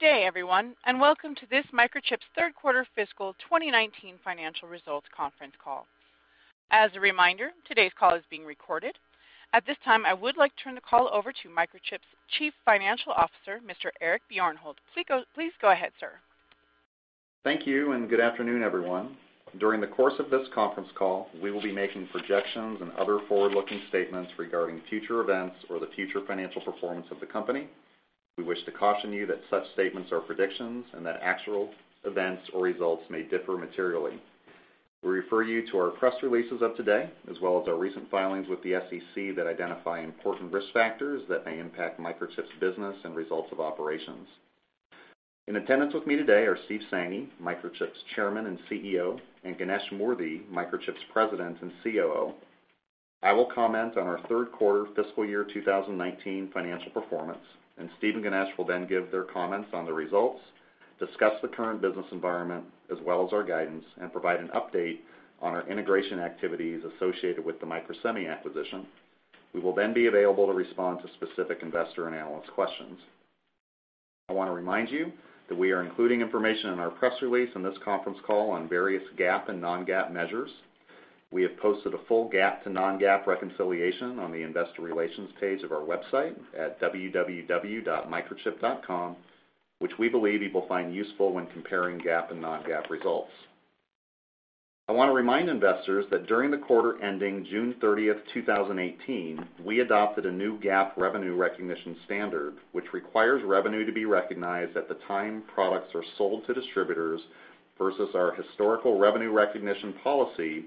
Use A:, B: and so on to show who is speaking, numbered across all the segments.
A: Good day, everyone, and welcome to this Microchip's third quarter fiscal 2019 financial results conference call. As a reminder, today's call is being recorded. At this time, I would like to turn the call over to Microchip's Chief Financial Officer, Mr. Eric Bjornholt. Please go ahead, sir.
B: Thank you. Good afternoon, everyone. During the course of this conference call, we will be making projections and other forward-looking statements regarding future events or the future financial performance of the company. We wish to caution you that such statements are predictions, and that actual events or results may differ materially. We refer you to our press releases of today, as well as our recent filings with the SEC that identify important risk factors that may impact Microchip's business and results of operations. In attendance with me today are Steve Sanghi, Microchip's Chairman and Chief Executive Officer, and Ganesh Moorthy, Microchip's President and Chief Operating Officer. I will comment on our third quarter fiscal year 2019 financial performance. Steve and Ganesh will then give their comments on the results, discuss the current business environment, as well as our guidance, and provide an update on our integration activities associated with the Microsemi acquisition. We will then be available to respond to specific investor and analyst questions. I want to remind you that we are including information in our press release on this conference call on various GAAP and non-GAAP measures. We have posted a full GAAP to non-GAAP reconciliation on the investor relations page of our website at www.microchip.com, which we believe you will find useful when comparing GAAP and non-GAAP results. I want to remind investors that during the quarter ending June 30th, 2018, we adopted a new GAAP revenue recognition standard, which requires revenue to be recognized at the time products are sold to distributors versus our historical revenue recognition policy,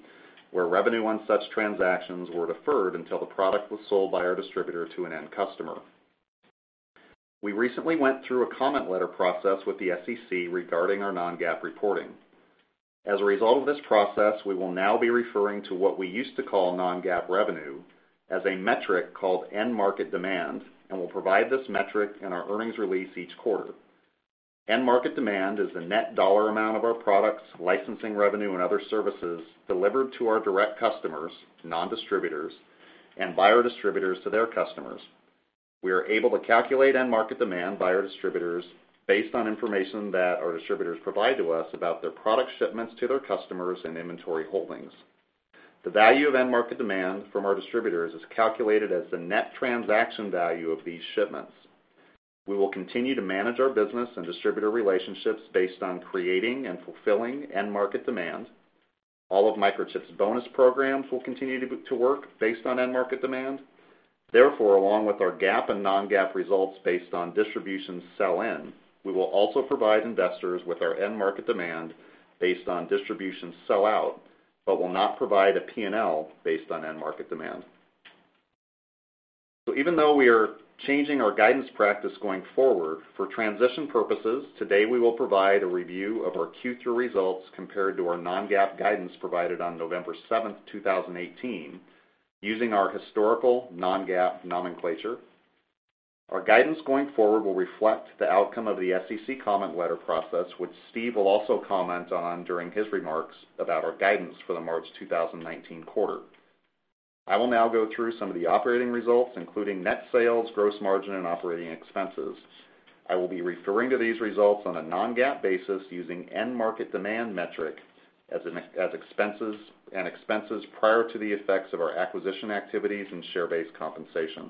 B: where revenue on such transactions were deferred until the product was sold by our distributor to an end customer. We recently went through a comment letter process with the SEC regarding our non-GAAP reporting. As a result of this process, we will now be referring to what we used to call non-GAAP revenue as a metric called end market demand, and we'll provide this metric in our earnings release each quarter. End market demand is the net dollar amount of our products, licensing revenue, and other services delivered to our direct customers, non-distributors, and by our distributors to their customers. We are able to calculate end market demand by our distributors based on information that our distributors provide to us about their product shipments to their customers and inventory holdings. The value of end market demand from our distributors is calculated as the net transaction value of these shipments. We will continue to manage our business and distributor relationships based on creating and fulfilling end market demand. All of Microchip's bonus programs will continue to work based on end market demand. Along with our GAAP and non-GAAP results based on distribution sell-in, we will also provide investors with our end market demand based on distribution sell-out, but will not provide a P&L based on end market demand. Even though we are changing our guidance practice going forward, for transition purposes, today we will provide a review of our Q3 results compared to our non-GAAP guidance provided on November 7, 2018, using our historical non-GAAP nomenclature. Our guidance going forward will reflect the outcome of the SEC comment letter process, which Steve will also comment on during his remarks about our guidance for the March 2019 quarter. I will now go through some of the operating results, including net sales, gross margin, and operating expenses. I will be referring to these results on a non-GAAP basis using end market demand metric, and expenses prior to the effects of our acquisition activities and share-based compensation.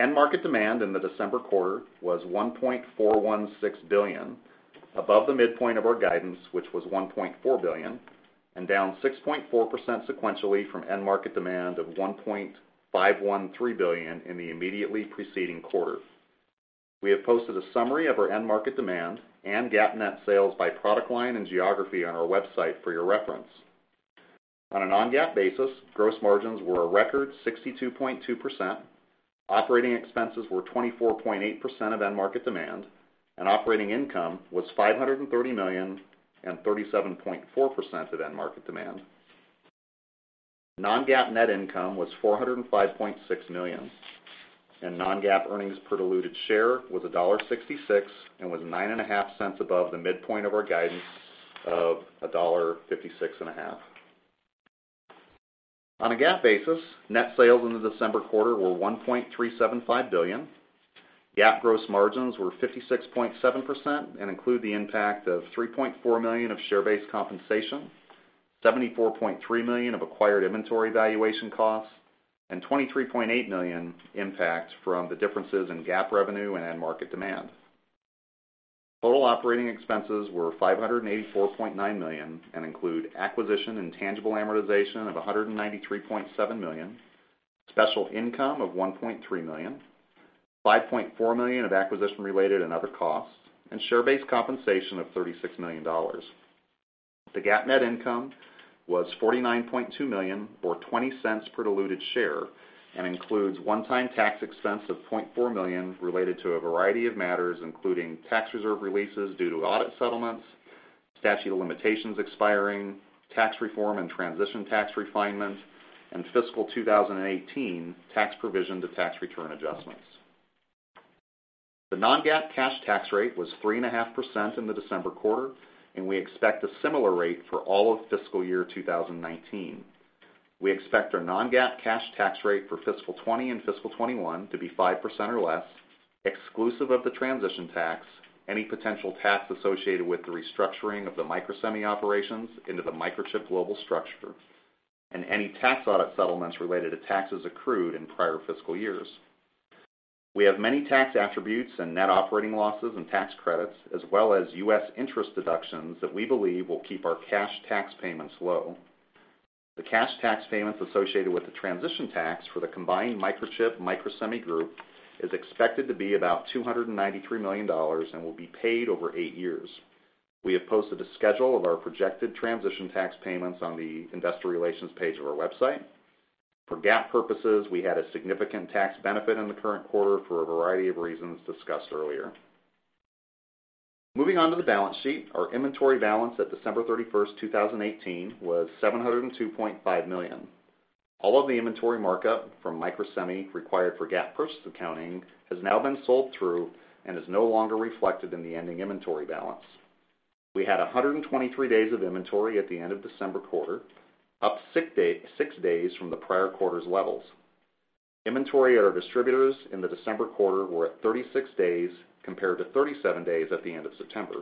B: End market demand in the December quarter was $1.416 billion, above the midpoint of our guidance, which was $1.4 billion, and down 6.4% sequentially from end market demand of $1.513 billion in the immediately preceding quarter. We have posted a summary of our end market demand and GAAP net sales by product line and geography on our website for your reference. On a non-GAAP basis, gross margins were a record 62.2%, operating expenses were 24.8% of end market demand, and operating income was $530 million and 37.4% of end market demand. Non-GAAP net income was $405.6 million, and non-GAAP earnings per diluted share was $1.66, and was $0.095 above the midpoint of our guidance of $1.56. On a GAAP basis, net sales in the December quarter were $1.375 billion. GAAP gross margins were 56.7% and include the impact of $3.4 million of share-based compensation, $74.3 million of acquired inventory valuation costs, and $23.8 million impact from the differences in GAAP revenue and end market demand. Total operating expenses were $584.9 million and include acquisition and tangible amortization of $193.7 million, special income of $1.3 million, $5.4 million of acquisition-related and other costs, and share-based compensation of $36 million. The GAAP net income was $49.2 million or $0.20 per diluted share and includes one-time tax expense of $0.4 million related to a variety of matters, including tax reserve releases due to audit settlements, statute of limitations expiring, tax reform and transition tax refinement, and fiscal 2018 tax provision to tax return adjustments. The non-GAAP cash tax rate was 3.5% in the December quarter, and we expect a similar rate for all of fiscal year 2019. We expect our non-GAAP cash tax rate for fiscal 2020 and fiscal 2021 to be 5% or less, exclusive of the transition tax, any potential tax associated with the restructuring of the Microsemi operations into the Microchip global structure, and any tax audit settlements related to taxes accrued in prior fiscal years. We have many tax attributes and net operating losses and tax credits, as well as U.S. interest deductions that we believe will keep our cash tax payments low. The cash tax payments associated with the transition tax for the combined Microchip, Microsemi group is expected to be about $293 million and will be paid over eight years. We have posted a schedule of our projected transition tax payments on the investor relations page of our website. For GAAP purposes, we had a significant tax benefit in the current quarter for a variety of reasons discussed earlier. Moving on to the balance sheet. Our inventory balance at December 31st, 2018, was $702.5 million. All of the inventory markup from Microsemi required for GAAP purchase accounting has now been sold through and is no longer reflected in the ending inventory balance. We had 123 days of inventory at the end of December quarter, up six days from the prior quarter's levels. Inventory at our distributors in the December quarter were at 36 days compared to 37 days at the end of September.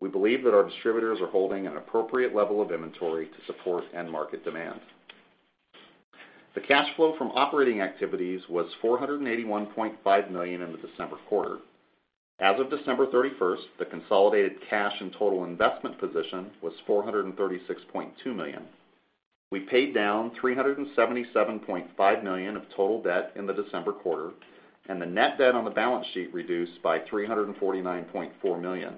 B: We believe that our distributors are holding an appropriate level of inventory to support end market demand. The cash flow from operating activities was $481.5 million in the December quarter. As of December 31st, the consolidated cash and total investment position was $436.2 million. We paid down $377.5 million of total debt in the December quarter, the net debt on the balance sheet reduced by $349.4 million.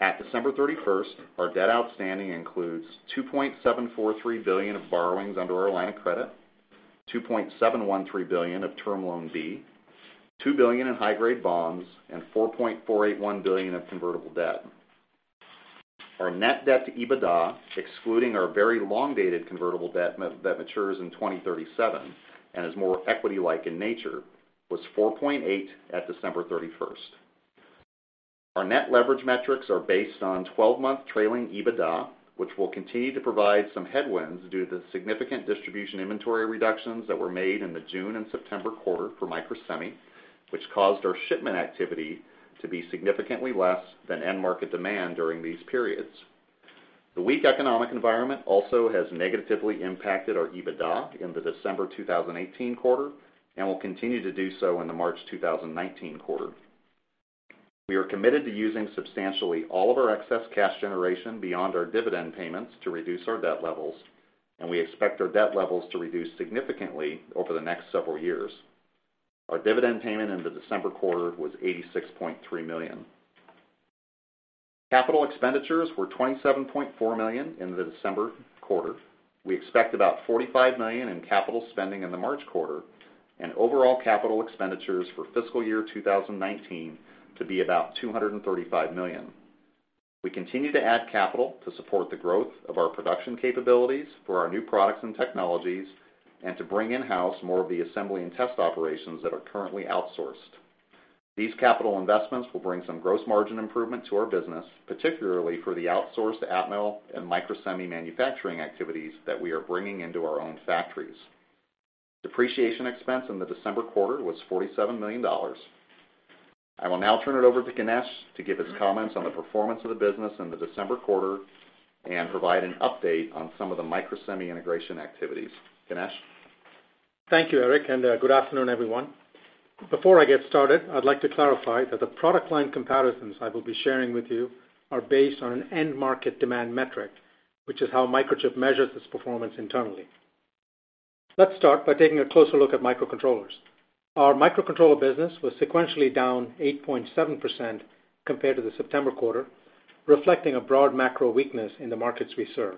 B: At December 31st, our debt outstanding includes $2.743 billion of borrowings under our line of credit, $2.713 billion of Term Loan B, $2 billion in high-grade bonds, and $4.481 billion of convertible debt. Our net debt to EBITDA, excluding our very long-dated convertible debt that matures in 2037 and is more equity-like in nature, was 4.8 at December 31st. Our net leverage metrics are based on 12-month trailing EBITDA, which will continue to provide some headwinds due to the significant distribution inventory reductions that were made in the June and September quarter for Microsemi, which caused our shipment activity to be significantly less than end market demand during these periods. The weak economic environment also has negatively impacted our EBITDA in the December 2018 quarter and will continue to do so in the March 2019 quarter. We are committed to using substantially all of our excess cash generation beyond our dividend payments to reduce our debt levels, and we expect our debt levels to reduce significantly over the next several years. Our dividend payment in the December quarter was $86.3 million. Capital expenditures were $27.4 million in the December quarter. We expect about $45 million in capital spending in the March quarter and overall capital expenditures for fiscal year 2019 to be about $235 million. We continue to add capital to support the growth of our production capabilities for our new products and technologies, to bring in-house more of the assembly and test operations that are currently outsourced. These capital investments will bring some gross margin improvement to our business, particularly for the outsourced Atmel and Microsemi manufacturing activities that we are bringing into our own factories. Depreciation expense in the December quarter was $47 million. I will now turn it over to Ganesh to give his comments on the performance of the business in the December quarter and provide an update on some of the Microsemi integration activities. Ganesh?
C: Thank you, Eric, and good afternoon, everyone. Before I get started, I'd like to clarify that the product line comparisons I will be sharing with you are based on an end market demand metric, which is how Microchip measures its performance internally. Let's start by taking a closer look at microcontrollers. Our microcontroller business was sequentially down 8.7% compared to the September quarter, reflecting a broad macro weakness in the markets we serve.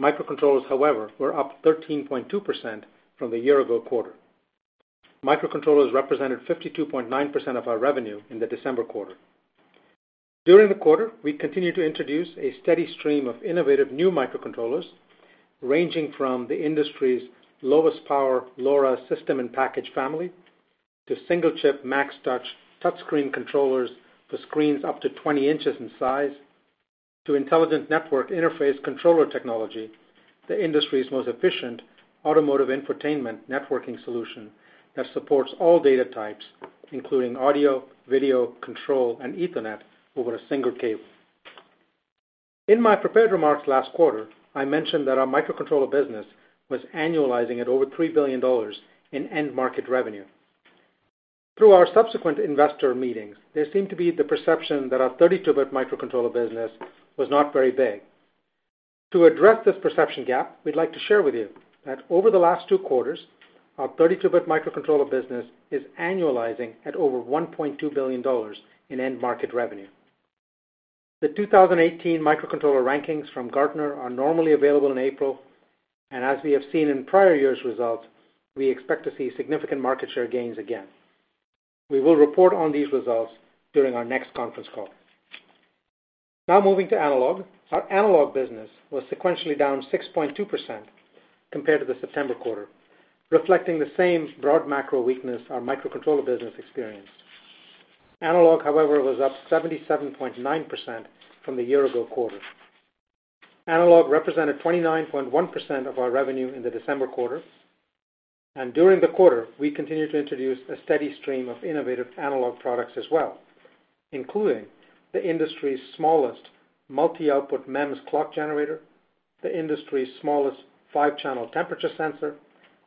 C: Microcontrollers, however, were up 13.2% from the year ago quarter. Microcontrollers represented 52.9% of our revenue in the December quarter. During the quarter, we continued to introduce a steady stream of innovative new microcontrollers, ranging from the industry's lowest power LoRa system and package family to single-chip maXTouch touchscreen controllers for screens up to 20 inches in size, to intelligent network interface controller technology, the industry's most efficient automotive infotainment networking solution that supports all data types, including audio, video, control, and Ethernet over a single cable. In my prepared remarks last quarter, I mentioned that our microcontroller business was annualizing at over $3 billion in end market revenue. Through our subsequent investor meetings, there seemed to be the perception that our 32-bit microcontroller business was not very big. To address this perception gap, we'd like to share with you that over the last two quarters, our 32-bit microcontroller business is annualizing at over $1.2 billion in end market revenue. The 2018 microcontroller rankings from Gartner are normally available in April, and as we have seen in prior years' results, we expect to see significant market share gains again. We will report on these results during our next conference call. Now moving to analog. Our analog business was sequentially down 6.2% compared to the September quarter, reflecting the same broad macro weakness our microcontroller business experienced. Analog, however, was up 77.9% from the year ago quarter. Analog represented 29.1% of our revenue in the December quarter. During the quarter, we continued to introduce a steady stream of innovative analog products as well, including the industry's smallest multi-output MEMS clock generator, the industry's smallest five-channel temperature sensor,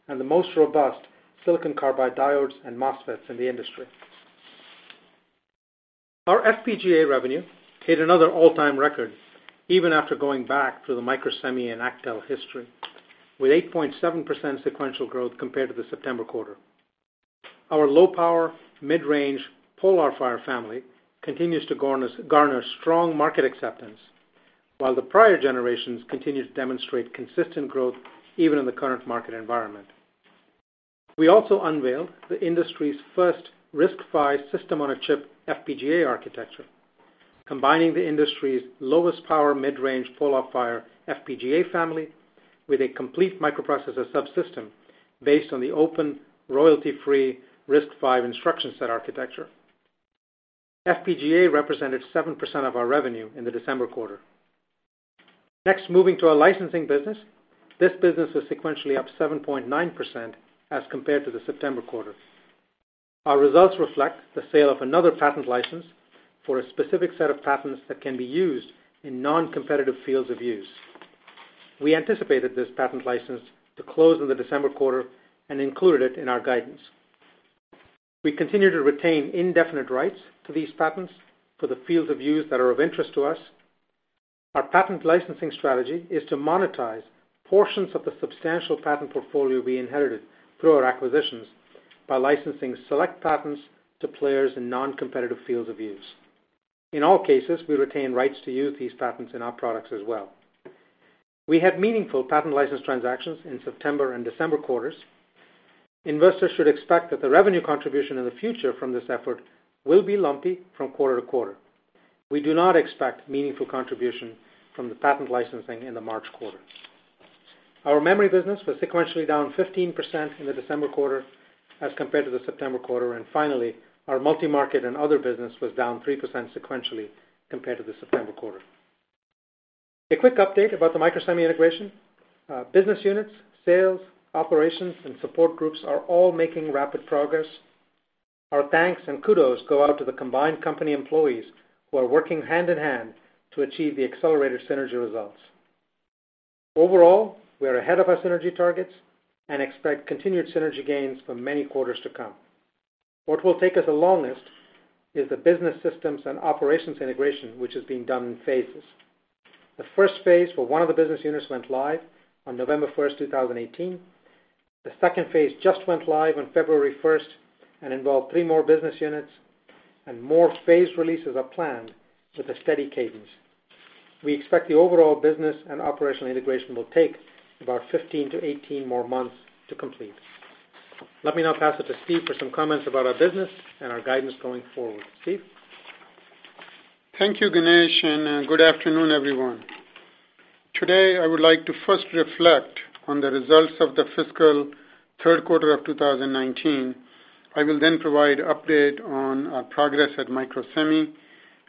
C: and the most robust silicon carbide diodes and MOSFETs in the industry. Our FPGA revenue hit another all-time record, even after going back through the Microsemi and Actel history, with 8.7% sequential growth compared to the September quarter. Our low power mid-range PolarFire family continues to garner strong market acceptance, while the prior generations continue to demonstrate consistent growth even in the current market environment. We also unveiled the industry's first RISC-V system-on-a-chip FPGA architecture, combining the industry's lowest power mid-range PolarFire FPGA family with a complete microprocessor subsystem based on the open, royalty-free RISC-V instruction set architecture. FPGA represented 7% of our revenue in the December quarter. Next, moving to our licensing business. This business was sequentially up 7.9% as compared to the September quarter. Our results reflect the sale of another patent license for a specific set of patents that can be used in non-competitive fields of use. We anticipated this patent license to close in the December quarter and included it in our guidance. We continue to retain indefinite rights to these patents for the fields of use that are of interest to us. Our patent licensing strategy is to monetize portions of the substantial patent portfolio we inherited through our acquisitions by licensing select patents to players in non-competitive fields of use. In all cases, we retain rights to use these patents in our products as well. We had meaningful patent license transactions in September and December quarters. Investors should expect that the revenue contribution in the future from this effort will be lumpy from quarter to quarter. We do not expect meaningful contribution from the patent licensing in the March quarter. Our memory business was sequentially down 15% in the December quarter as compared to the September quarter. Finally, our multi-market and other business was down 3% sequentially compared to the September quarter. A quick update about the Microsemi integration. Business units, sales, operations, and support groups are all making rapid progress. Our thanks and kudos go out to the combined company employees who are working hand in hand to achieve the accelerated synergy results. Overall, we are ahead of our synergy targets and expect continued synergy gains for many quarters to come. What will take us the longest is the business systems and operations integration, which is being done in phases. The first phase for one of the business units went live on November 1st, 2018. The second phase just went live on February 1st and involved three more business units. More phase releases are planned with a steady cadence. We expect the overall business and operational integration will take about 15-18 more months to complete. Let me now pass it to Steve for some comments about our business and our guidance going forward. Steve?
D: Thank you, Ganesh. Good afternoon, everyone. Today, I would like to first reflect on the results of the fiscal third quarter of 2019. I will then provide update on our progress at Microsemi.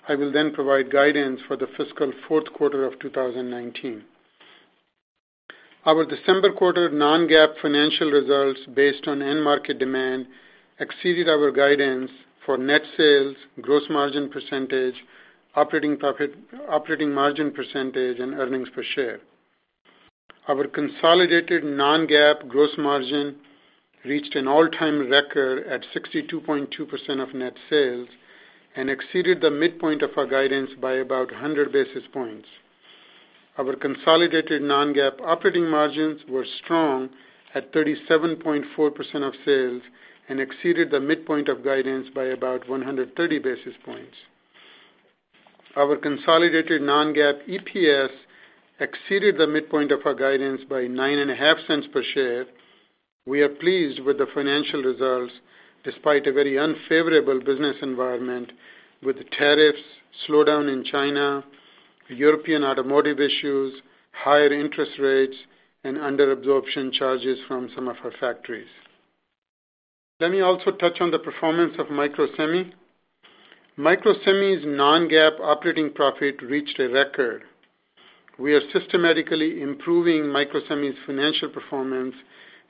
D: I will then provide guidance for the fiscal fourth quarter of 2019. Our December quarter non-GAAP financial results based on end market demand exceeded our guidance for net sales, gross margin percentage, operating margin percentage, and earnings per share. Our consolidated non-GAAP gross margin reached an all-time record at 62.2% of net sales and exceeded the midpoint of our guidance by about 100 basis points. Our consolidated non-GAAP operating margins were strong at 37.4% of sales and exceeded the midpoint of guidance by about 130 basis points. Our consolidated non-GAAP EPS exceeded the midpoint of our guidance by $0.095 per share. We are pleased with the financial results despite a very unfavorable business environment with the tariffs, slowdown in China, European automotive issues, higher interest rates, and under absorption charges from some of our factories. Let me also touch on the performance of Microsemi. Microsemi's non-GAAP operating profit reached a record. We are systematically improving Microsemi's financial performance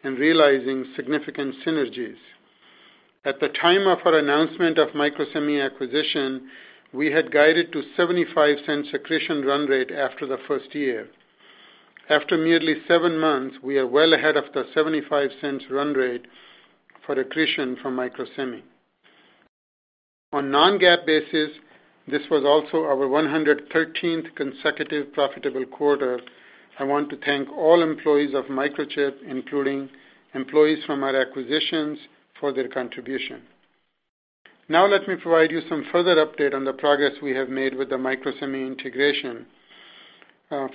D: and realizing significant synergies. At the time of our announcement of Microsemi acquisition, we had guided to $0.75 accretion run rate after the first year. After merely seven months, we are well ahead of the $0.75 run rate for accretion from Microsemi. On non-GAAP basis, this was also our 113th consecutive profitable quarter. I want to thank all employees of Microchip, including employees from our acquisitions, for their contribution. Let me provide you some further update on the progress we have made with the Microsemi integration.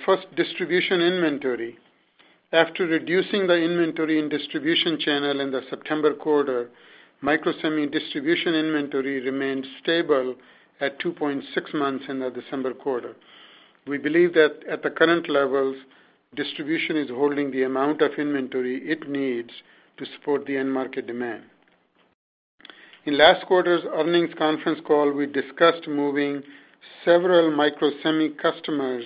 D: First, distribution inventory. After reducing the inventory and distribution channel in the September quarter, Microsemi distribution inventory remained stable at 2.6 months in the December quarter. We believe that at the current levels, distribution is holding the amount of inventory it needs to support the end market demand. In last quarter's earnings conference call, we discussed moving several Microsemi customers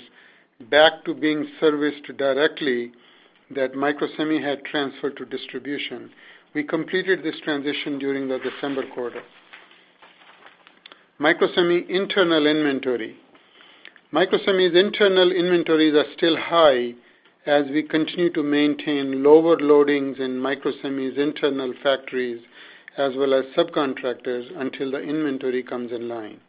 D: back to being serviced directly that Microsemi had transferred to distribution. We completed this transition during the December quarter. Microsemi internal inventory. Microsemi's internal inventories are still high as we continue to maintain lower loadings in Microsemi's internal factories, as well as subcontractors, until the inventory comes in line.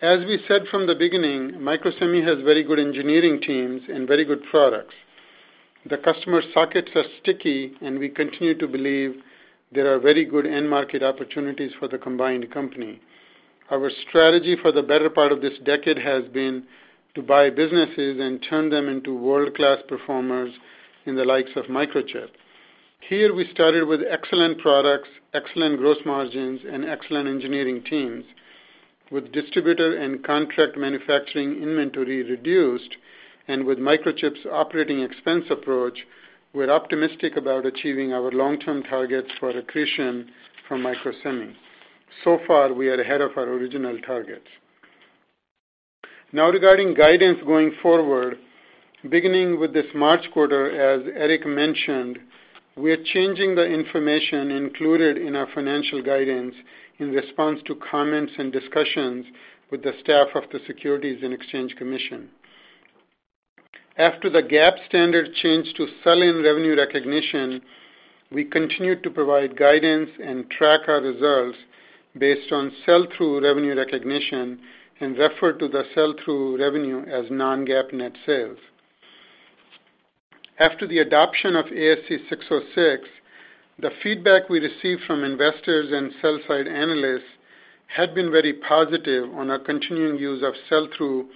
D: As we said from the beginning, Microsemi has very good engineering teams and very good products. The customer sockets are sticky, and we continue to believe there are very good end market opportunities for the combined company. Our strategy for the better part of this decade has been to buy businesses and turn them into world-class performers in the likes of Microchip. Here, we started with excellent products, excellent gross margins, and excellent engineering teams. With distributor and contract manufacturing inventory reduced, and with Microchip's operating expense approach, we're optimistic about achieving our long-term targets for accretion from Microsemi. We are ahead of our original targets. Regarding guidance going forward, beginning with this March quarter, as Eric mentioned, we are changing the information included in our financial guidance in response to comments and discussions with the staff of the Securities and Exchange Commission. After the GAAP standard changed to sell-in revenue recognition, we continued to provide guidance and track our results based on sell-through revenue recognition and refer to the sell-through revenue as non-GAAP net sales. After the adoption of ASC 606, the feedback we received from investors and sell-side analysts had been very positive on our continuing use of sell-through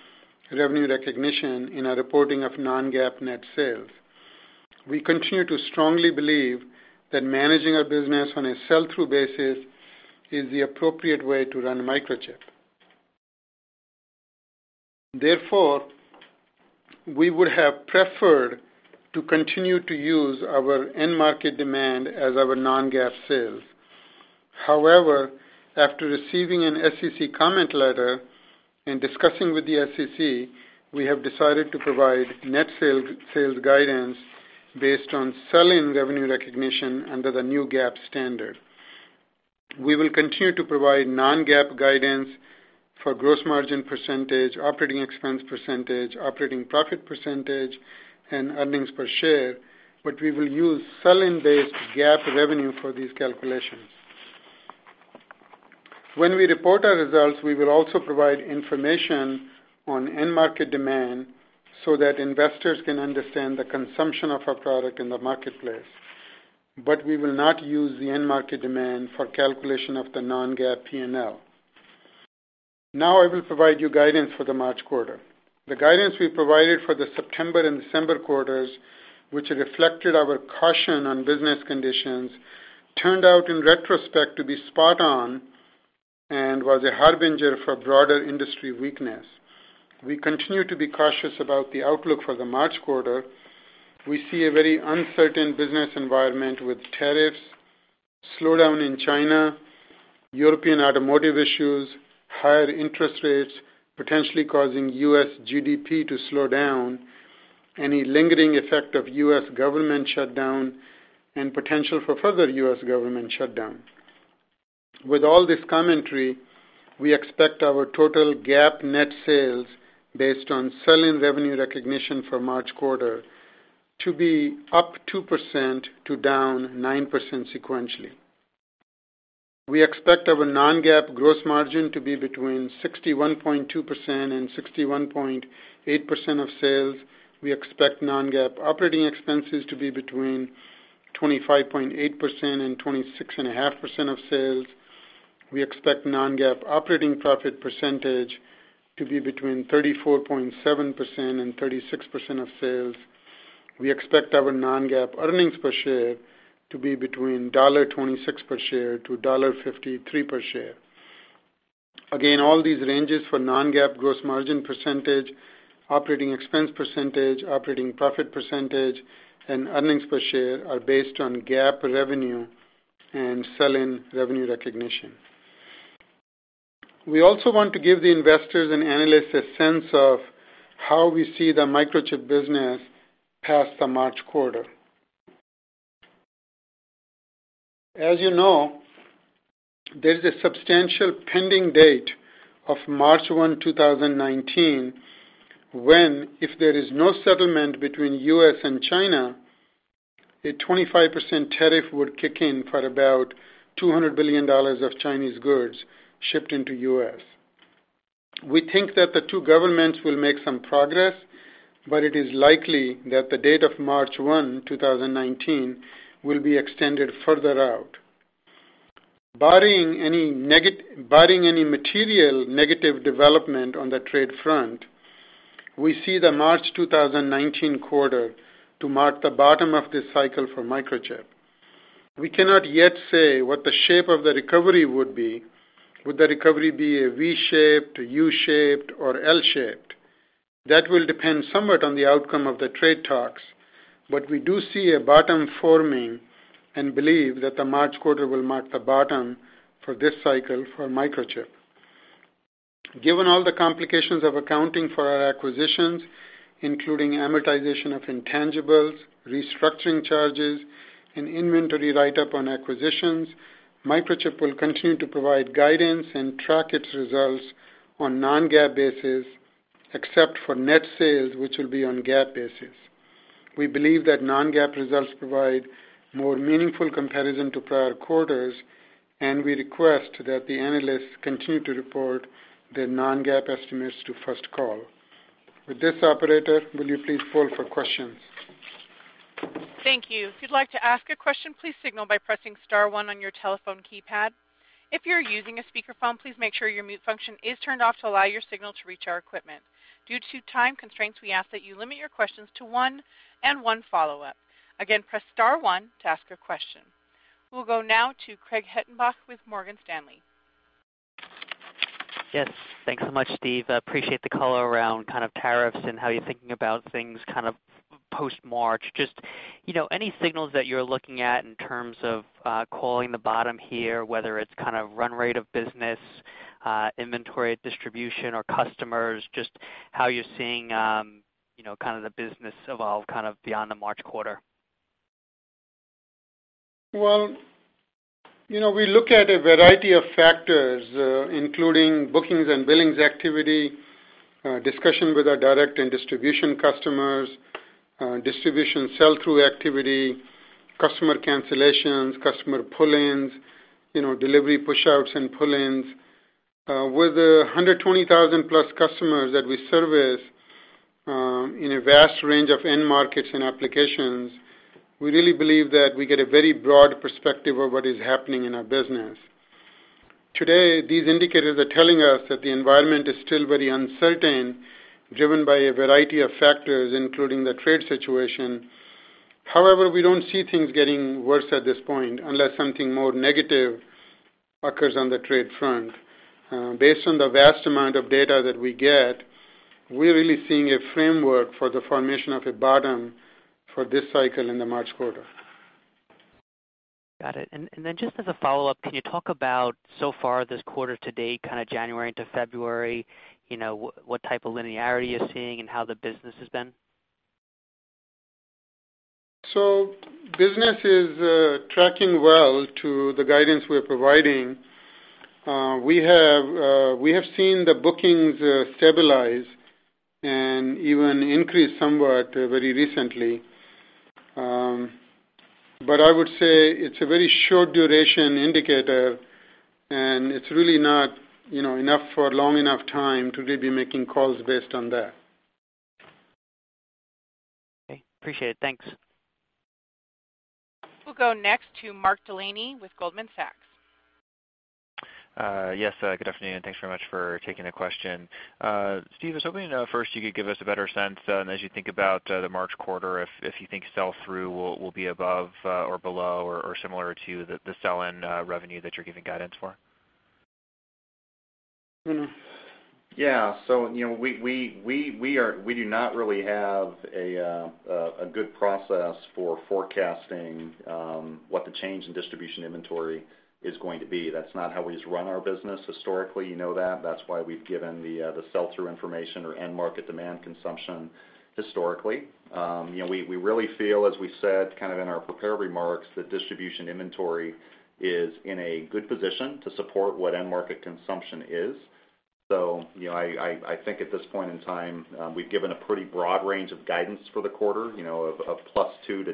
D: revenue recognition in our reporting of non-GAAP net sales. We continue to strongly believe that managing our business on a sell-through basis is the appropriate way to run Microchip. Therefore, we would have preferred to continue to use our end market demand as our non-GAAP sales. However, after receiving an SEC comment letter and discussing with the SEC, we have decided to provide net sales guidance based on sell-in revenue recognition under the new GAAP standard. We will continue to provide non-GAAP guidance for gross margin percentage, operating expense percentage, operating profit percentage, and earnings per share, but we will use sell-in-based GAAP revenue for these calculations. When we report our results, we will also provide information on end market demand so that investors can understand the consumption of our product in the marketplace. We will not use the end market demand for calculation of the non-GAAP P&L. I will provide you guidance for the March quarter. The guidance we provided for the September and December quarters, which reflected our caution on business conditions, turned out in retrospect to be spot on and was a harbinger for broader industry weakness. We continue to be cautious about the outlook for the March quarter. We see a very uncertain business environment with tariffs, slowdown in China, European automotive issues, higher interest rates potentially causing U.S. GDP to slow down, any lingering effect of U.S. government shutdown, and potential for further U.S. government shutdown. With all this commentary, we expect our total GAAP net sales based on sell-in revenue recognition for March quarter to be up 2% to -9% sequentially. We expect our non-GAAP gross margin to be between 61.2% and 61.8% of sales. We expect non-GAAP operating expenses to be between 25.8% and 26.5% of sales. We expect non-GAAP operating profit percentage to be between 34.7% and 36% of sales. We expect our non-GAAP earnings per share to be between $1.26 per share to $1.53 per share. Again, all these ranges for non-GAAP gross margin percentage, operating expense percentage, operating profit percentage, and earnings per share are based on GAAP revenue and sell-in revenue recognition. We also want to give the investors and analysts a sense of how we see the Microchip business past the March quarter. As you know, there's a substantial pending date of March 1, 2019, when, if there is no settlement between U.S. and China, a 25% tariff would kick in for about $200 billion of Chinese goods shipped into U.S. We think that the two governments will make some progress, it is likely that the date of March 1, 2019, will be extended further out. Barring any material negative development on the trade front, we see the March 2019 quarter to mark the bottom of this cycle for Microchip. We cannot yet say what the shape of the recovery would be. Would the recovery be V-shaped, U-shaped, or L-shaped? That will depend somewhat on the outcome of the trade talks, we do see a bottom forming and believe that the March quarter will mark the bottom for this cycle for Microchip. Given all the complications of accounting for our acquisitions, including amortization of intangibles, restructuring charges, and inventory write-up on acquisitions, Microchip will continue to provide guidance and track its results on non-GAAP basis, except for net sales, which will be on GAAP basis. We believe that non-GAAP results provide more meaningful comparison to prior quarters, we request that the analysts continue to report their non-GAAP estimates to First Call. With this, operator, will you please poll for questions?
A: Thank you. If you'd like to ask a question, please signal by pressing star one on your telephone keypad. If you're using a speakerphone, please make sure your mute function is turned off to allow your signal to reach our equipment. Due to time constraints, we ask that you limit your questions to one and one follow-up. Again, press star one to ask a question. We'll go now to Craig Hettenbach with Morgan Stanley.
E: Yes. Thanks so much, Steve. Appreciate the color around tariffs and how you're thinking about things post-March. Any signals that you're looking at in terms of calling the bottom here, whether it's run rate of business, inventory distribution, or customers, just how you're seeing the business evolve beyond the March quarter.
D: Well, we look at a variety of factors, including bookings and billings activity, discussion with our direct and distribution customers, distribution sell-through activity, customer cancellations, customer pull-ins, delivery push-outs and pull-ins. With the 120,000-plus customers that we service in a vast range of end markets and applications, we really believe that we get a very broad perspective of what is happening in our business. Today, these indicators are telling us that the environment is still very uncertain, driven by a variety of factors, including the trade situation. We don't see things getting worse at this point unless something more negative occurs on the trade front. Based on the vast amount of data that we get, we're really seeing a framework for the formation of a bottom for this cycle in the March quarter.
E: Got it. As a follow-up, can you talk about so far this quarter to date, January to February, what type of linearity you're seeing and how the business has been?
D: Business is tracking well to the guidance we're providing. We have seen the bookings stabilize and even increase somewhat very recently. I would say it's a very short duration indicator, and it's really not enough for a long enough time to really be making calls based on that.
E: Okay. Appreciate it. Thanks.
A: We'll go next to Mark Delaney with Goldman Sachs.
F: Yes, good afternoon. Thanks very much for taking the question. Steve, I was hoping first you could give us a better sense as you think about the March quarter, if you think sell-through will be above or below or similar to the sell-in revenue that you're giving guidance for.
B: Yeah. We do not really have a good process for forecasting what the change in distribution inventory is going to be. That's not how we run our business historically. You know that. That's why we've given the sell-through information or end market demand consumption historically. We really feel, as we said in our prepared remarks, that distribution inventory is in a good position to support what end market consumption is. I think at this point in time, we've given a pretty broad range of guidance for the quarter, of +2% to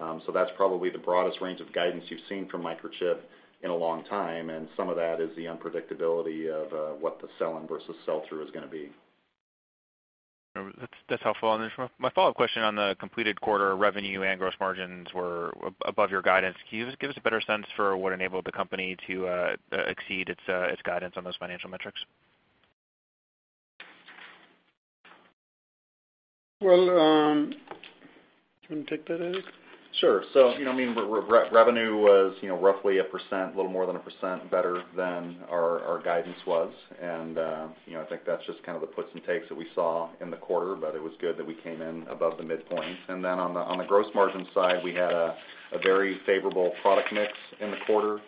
B: -9%. That's probably the broadest range of guidance you've seen from Microchip in a long time, and some of that is the unpredictability of what the sell-in versus sell-through is going to be.
F: That's helpful. For my follow-up question on the completed quarter revenue and gross margins were above your guidance. Can you give us a better sense for what enabled the company to exceed its guidance on those financial metrics?
D: Well, do you want to take that, Eric?
B: Sure. Revenue was roughly 1%, a little more than 1% better than our guidance was. I think that's just the puts and takes that we saw in the quarter, but it was good that we came in above the midpoint. On the gross margin side, we had a very favorable product mix in the quarter.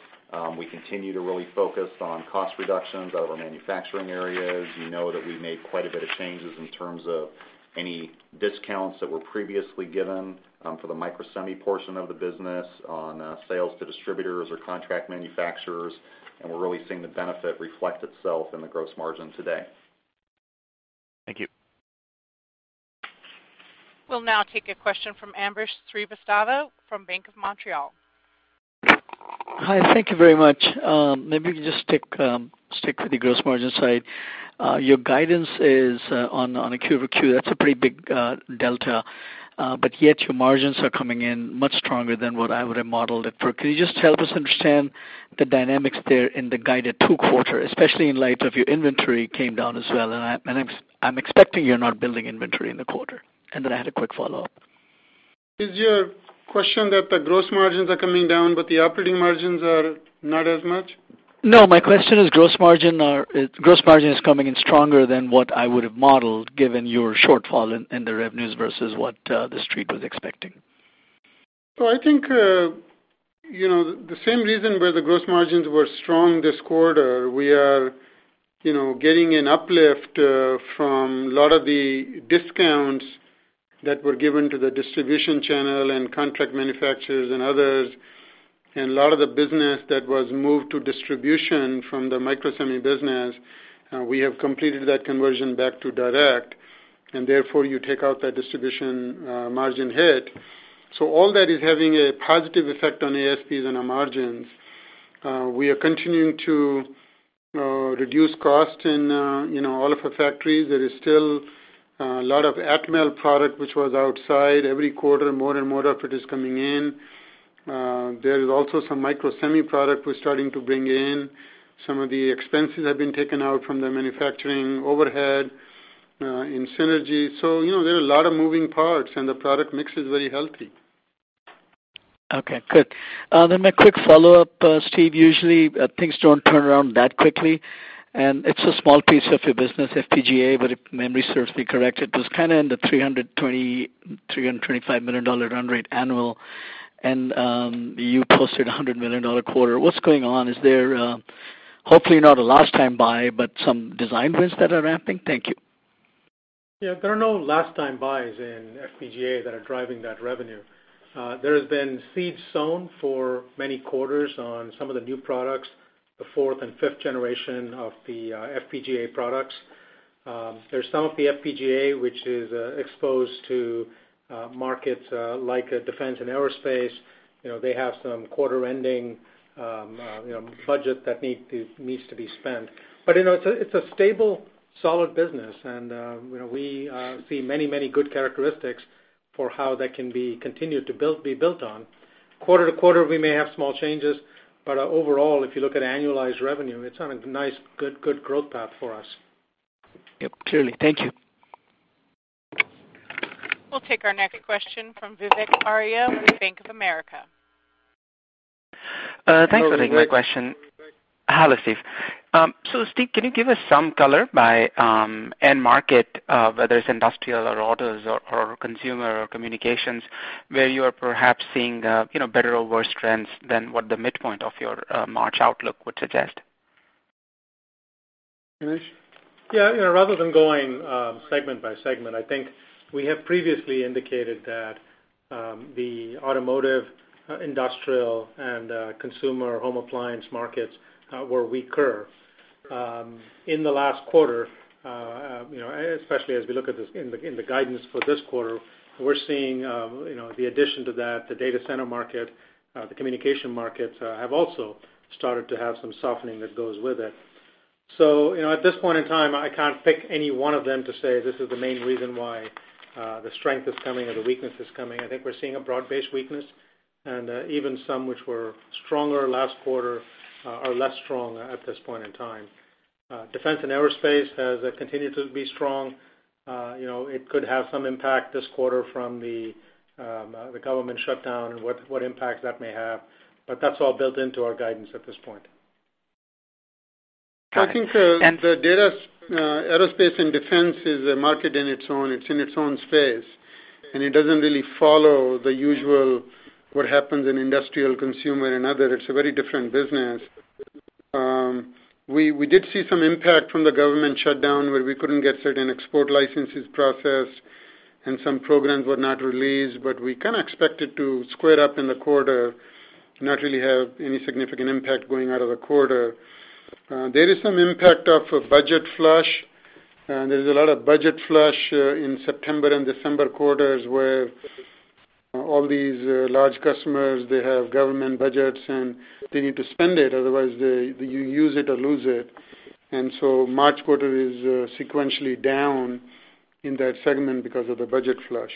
B: We continue to really focus on cost reductions out of our manufacturing areas. You know that we made quite a bit of changes in terms of any discounts that were previously given for the Microsemi portion of the business on sales to distributors or contract manufacturers, and we're really seeing the benefit reflect itself in the gross margin today.
F: Thank you.
A: We'll now take a question from Ambrish Srivastava from Bank of Montreal.
G: Hi. Thank you very much. Maybe we can just stick with the gross margin side. Your guidance is on a Q-over-Q, that's a pretty big delta. Yet your margins are coming in much stronger than what I would have modeled it for. Can you just help us understand the dynamics there in the guided two quarter, especially in light of your inventory came down as well, and I'm expecting you're not building inventory in the quarter. Then I had a quick follow-up.
D: Is your question that the gross margins are coming down but the operating margins are not as much?
G: My question is gross margin is coming in stronger than what I would have modeled, given your shortfall in the revenues versus what The Street was expecting.
D: I think the same reason why the gross margins were strong this quarter, we are getting an uplift from a lot of the discounts that were given to the distribution channel and contract manufacturers and others. A lot of the business that was moved to distribution from the Microsemi business, we have completed that conversion back to direct, and therefore you take out that distribution margin hit. All that is having a positive effect on ASPs and our margins. We are continuing to reduce cost in all of our factories. There is still a lot of Atmel product which was outside. Every quarter, more and more of it is coming in. There is also some Microsemi product we're starting to bring in. Some of the expenses have been taken out from the manufacturing overhead in synergy. There are a lot of moving parts and the product mix is very healthy.
G: Okay, good. My quick follow-up, Steve. Usually things don't turn around that quickly, and it's a small piece of your business, FPGA, but if memory serves me correct, it was kind of in the $325 million run rate annual, and you posted $100 million quarter. What's going on? Is there, hopefully not a last-time buy, but some design wins that are ramping? Thank you.
C: Yeah, there are no last-time buys in FPGA that are driving that revenue. There has been seeds sown for many quarters on some of the new products, the fourth and fifth generation of the FPGA products. There's some of the FPGA which is exposed to markets like defense and aerospace. They have some quarter-ending budget that needs to be spent. It's a stable, solid business, and we see many good characteristics for how that can be continued to be built on. Quarter to quarter, we may have small changes, but overall, if you look at annualized revenue, it's on a nice, good growth path for us.
G: Yep, clearly. Thank you.
A: We'll take our next question from Vivek Arya with Bank of America.
D: Hello, Vivek.
H: Thanks for taking my question. Hello, Steve. Steve, can you give us some color by end market, whether it's industrial or autos or consumer or communications, where you are perhaps seeing better or worse trends than what the midpoint of your March outlook would suggest?
D: Ganesh.
C: Yeah, rather than going segment by segment, I think we have previously indicated that the automotive, industrial, and consumer home appliance markets were weaker. In the last quarter, especially as we look at this in the guidance for this quarter, we're seeing the addition to that, the data center market, the communication markets have also started to have some softening that goes with it. At this point in time, I can't pick any one of them to say this is the main reason why the strength is coming or the weakness is coming. I think we're seeing a broad-based weakness, and even some which were stronger last quarter are less strong at this point in time. Defense and aerospace has continued to be strong. It could have some impact this quarter from the government shutdown and what impact that may have, but that's all built into our guidance at this point.
H: Got it.
D: I think the data aerospace and defense is a market in its own. It's in its own space, and it doesn't really follow the usual, what happens in industrial, consumer, and other. It's a very different business. We did see some impact from the government shutdown where we couldn't get certain export licenses processed and some programs were not released, but we kind of expect it to square up in the quarter and not really have any significant impact going out of the quarter. There is some impact of budget flush, and there's a lot of budget flush in September and December quarters where all these large customers, they have government budgets, and they need to spend it, otherwise you use it or lose it. March quarter is sequentially down in that segment because of the budget flush.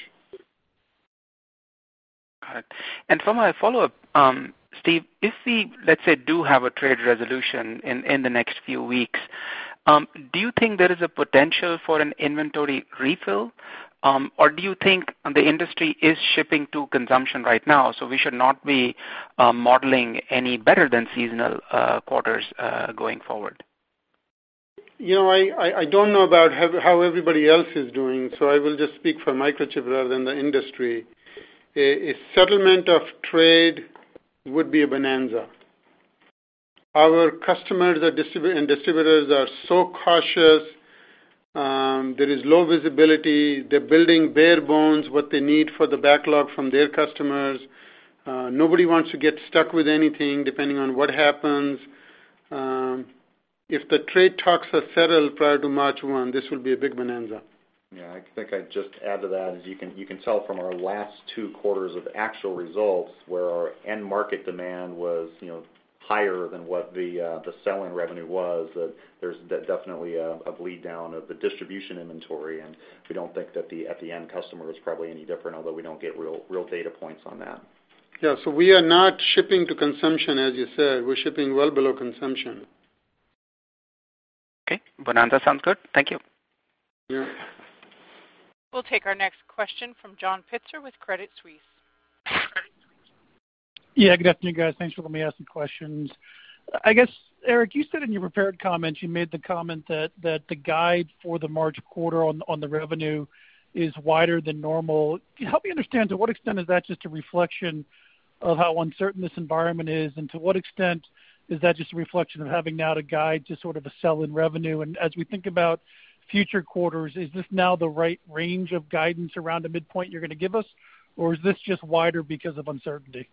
H: Got it. For my follow-up, Steve, if we, let's say, do have a trade resolution in the next few weeks, do you think there is a potential for an inventory refill? Do you think the industry is shipping to consumption right now, so we should not be modeling any better than seasonal quarters going forward?
D: I don't know about how everybody else is doing, so I will just speak for Microchip rather than the industry. A settlement of trade would be a bonanza. Our customers and distributors are so cautious. There is low visibility. They're building bare bones, what they need for the backlog from their customers. Nobody wants to get stuck with anything depending on what happens. If the trade talks are settled prior to March 1, this will be a big bonanza.
B: I think I'd just add to that is you can tell from our last two quarters of actual results where our end market demand was higher than what the sell-in revenue was, that there's definitely a bleed down of the distribution inventory, and we don't think that at the end customer is probably any different, although we don't get real data points on that.
D: We are not shipping to consumption, as you said. We're shipping well below consumption.
H: Okay. Bonanza sounds good. Thank you.
A: We'll take our next question from John Pitzer with Credit Suisse.
I: Good afternoon, guys. Thanks for letting me ask some questions. I guess, Eric, you said in your prepared comments, you made the comment that the guide for the March quarter on the revenue is wider than normal. Can you help me understand to what extent is that just a reflection of how uncertain this environment is? To what extent is that just a reflection of having now to guide to sort of a sell-in revenue? As we think about future quarters, is this now the right range of guidance around the midpoint you're going to give us? Is this just wider because of uncertainty?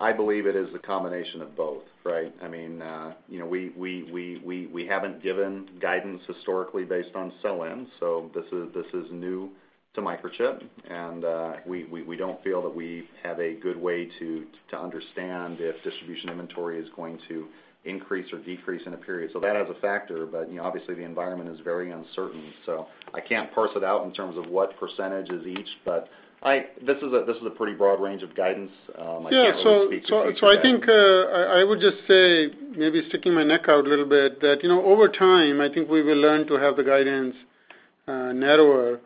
B: I believe it is a combination of both, right? We haven't given guidance historically based on sell-in, so this is new to Microchip, and we don't feel that we have a good way to understand if distribution inventory is going to increase or decrease in a period. That is a factor, but obviously the environment is very uncertain. I can't parse it out in terms of what percentage is each, but this is a pretty broad range of guidance.
D: I think, I would just say, maybe sticking my neck out a little bit, that over time, I think we will learn to have the guidance narrower.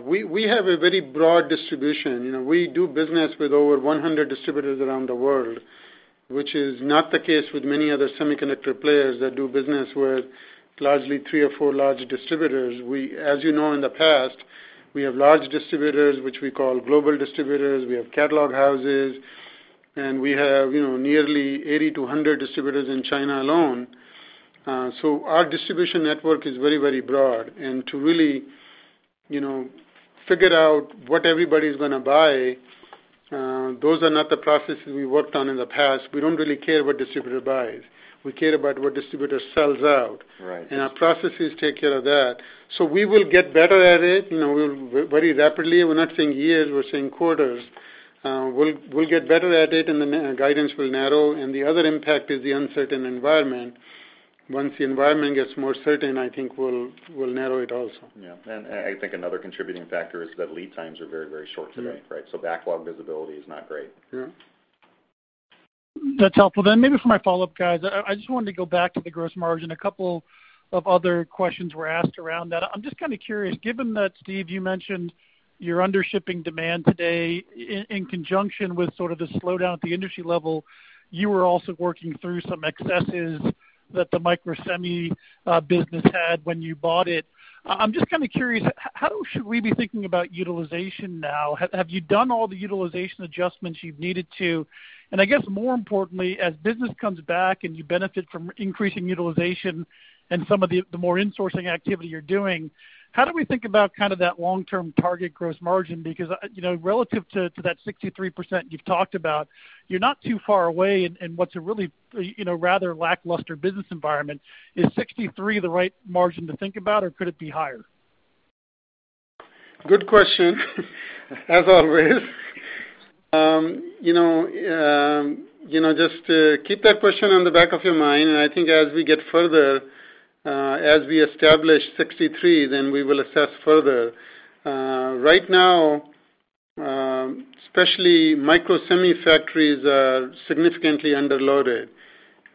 D: We have a very broad distribution. We do business with over 100 distributors around the world, which is not the case with many other semiconductor players that do business with largely three or four large distributors. As you know, in the past, we have large distributors, which we call global distributors, we have catalog houses, and we have nearly 80 to 100 distributors in China alone. Our distribution network is very broad, and to really figure out what everybody's going to buy, those are not the processes we worked on in the past. We don't really care what distributor buys. We care about what distributor sells out.
B: Right.
D: Our processes take care of that. We will get better at it, very rapidly. We're not saying years, we're saying quarters. We'll get better at it and the guidance will narrow. The other impact is the uncertain environment. Once the environment gets more certain, I think we'll narrow it also.
B: I think another contributing factor is that lead times are very short today, right? Backlog visibility is not great.
D: Yeah.
I: That's helpful. Maybe for my follow-up, guys, I just wanted to go back to the gross margin. A couple of other questions were asked around that. I'm just kind of curious, given that, Steve, you mentioned you're under shipping demand today in conjunction with sort of the slowdown at the industry level. You were also working through some excesses that the Microsemi business had when you bought it. I'm just kind of curious, how should we be thinking about utilization now? Have you done all the utilization adjustments you've needed to? I guess more importantly, as business comes back and you benefit from increasing utilization and some of the more insourcing activity you're doing, how do we think about that long-term target gross margin? Because, relative to that 63% you've talked about, you're not too far away in what's a really rather lackluster business environment. Is 63% the right margin to think about, or could it be higher?
D: Good question as always. Just keep that question on the back of your mind, and I think as we get further, as we establish 63%, then we will assess further. Right now, especially Microsemi factories are significantly underloaded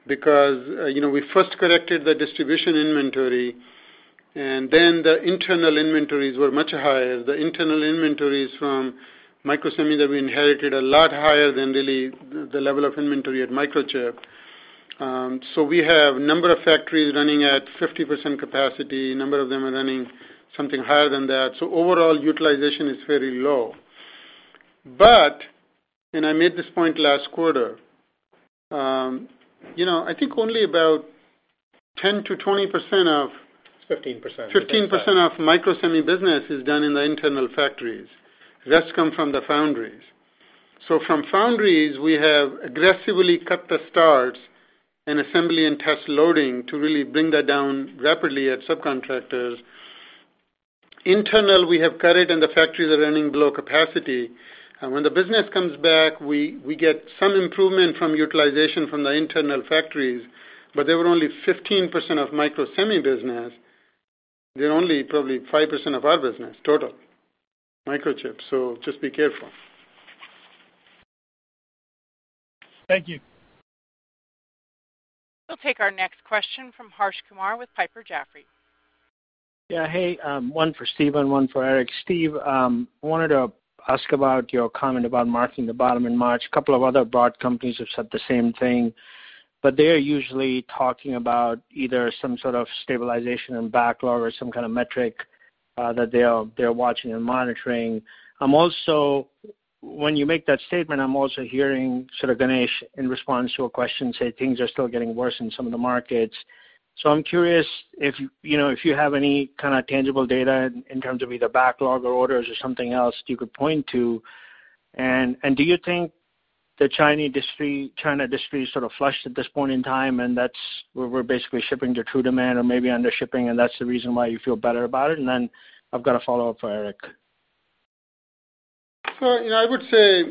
D: because we first corrected the distribution inventory, and then the internal inventories were much higher. The internal inventories from Microsemi that we inherited a lot higher than really the level of inventory at Microchip. We have a number of factories running at 50% capacity. A number of them are running something higher than that. Overall utilization is very low. I made this point last quarter, I think only about 10%-20% of-
B: It's 15%.
D: 15% of Microsemi business is done in the internal factories. The rest come from the foundries. From foundries, we have aggressively cut the starts and assembly and test loading to really bring that down rapidly at subcontractors. Internal, we have cut it and the factories are running below capacity. When the business comes back, we get some improvement from utilization from the internal factories, but they were only 15% of Microsemi business. They're only probably 5% of our business total, Microchip, so just be careful.
I: Thank you.
A: We'll take our next question from Harsh Kumar with Piper Jaffray.
J: Yeah. Hey, one for Steve and one for Eric. Steve, I wanted to ask about your comment about marking the bottom in March. A couple of other broad companies have said the same thing, but they're usually talking about either some sort of stabilization and backlog or some kind of metric that they're watching and monitoring. When you make that statement, I'm also hearing Ganesh in response to a question, say things are still getting worse in some of the markets. I'm curious if you have any kind of tangible data in terms of either backlog or orders or something else that you could point to. Do you think the China industry is sort of flushed at this point in time, and that's where we're basically shipping to true demand or maybe under shipping, and that's the reason why you feel better about it? I've got a follow-up for Eric.
D: I would say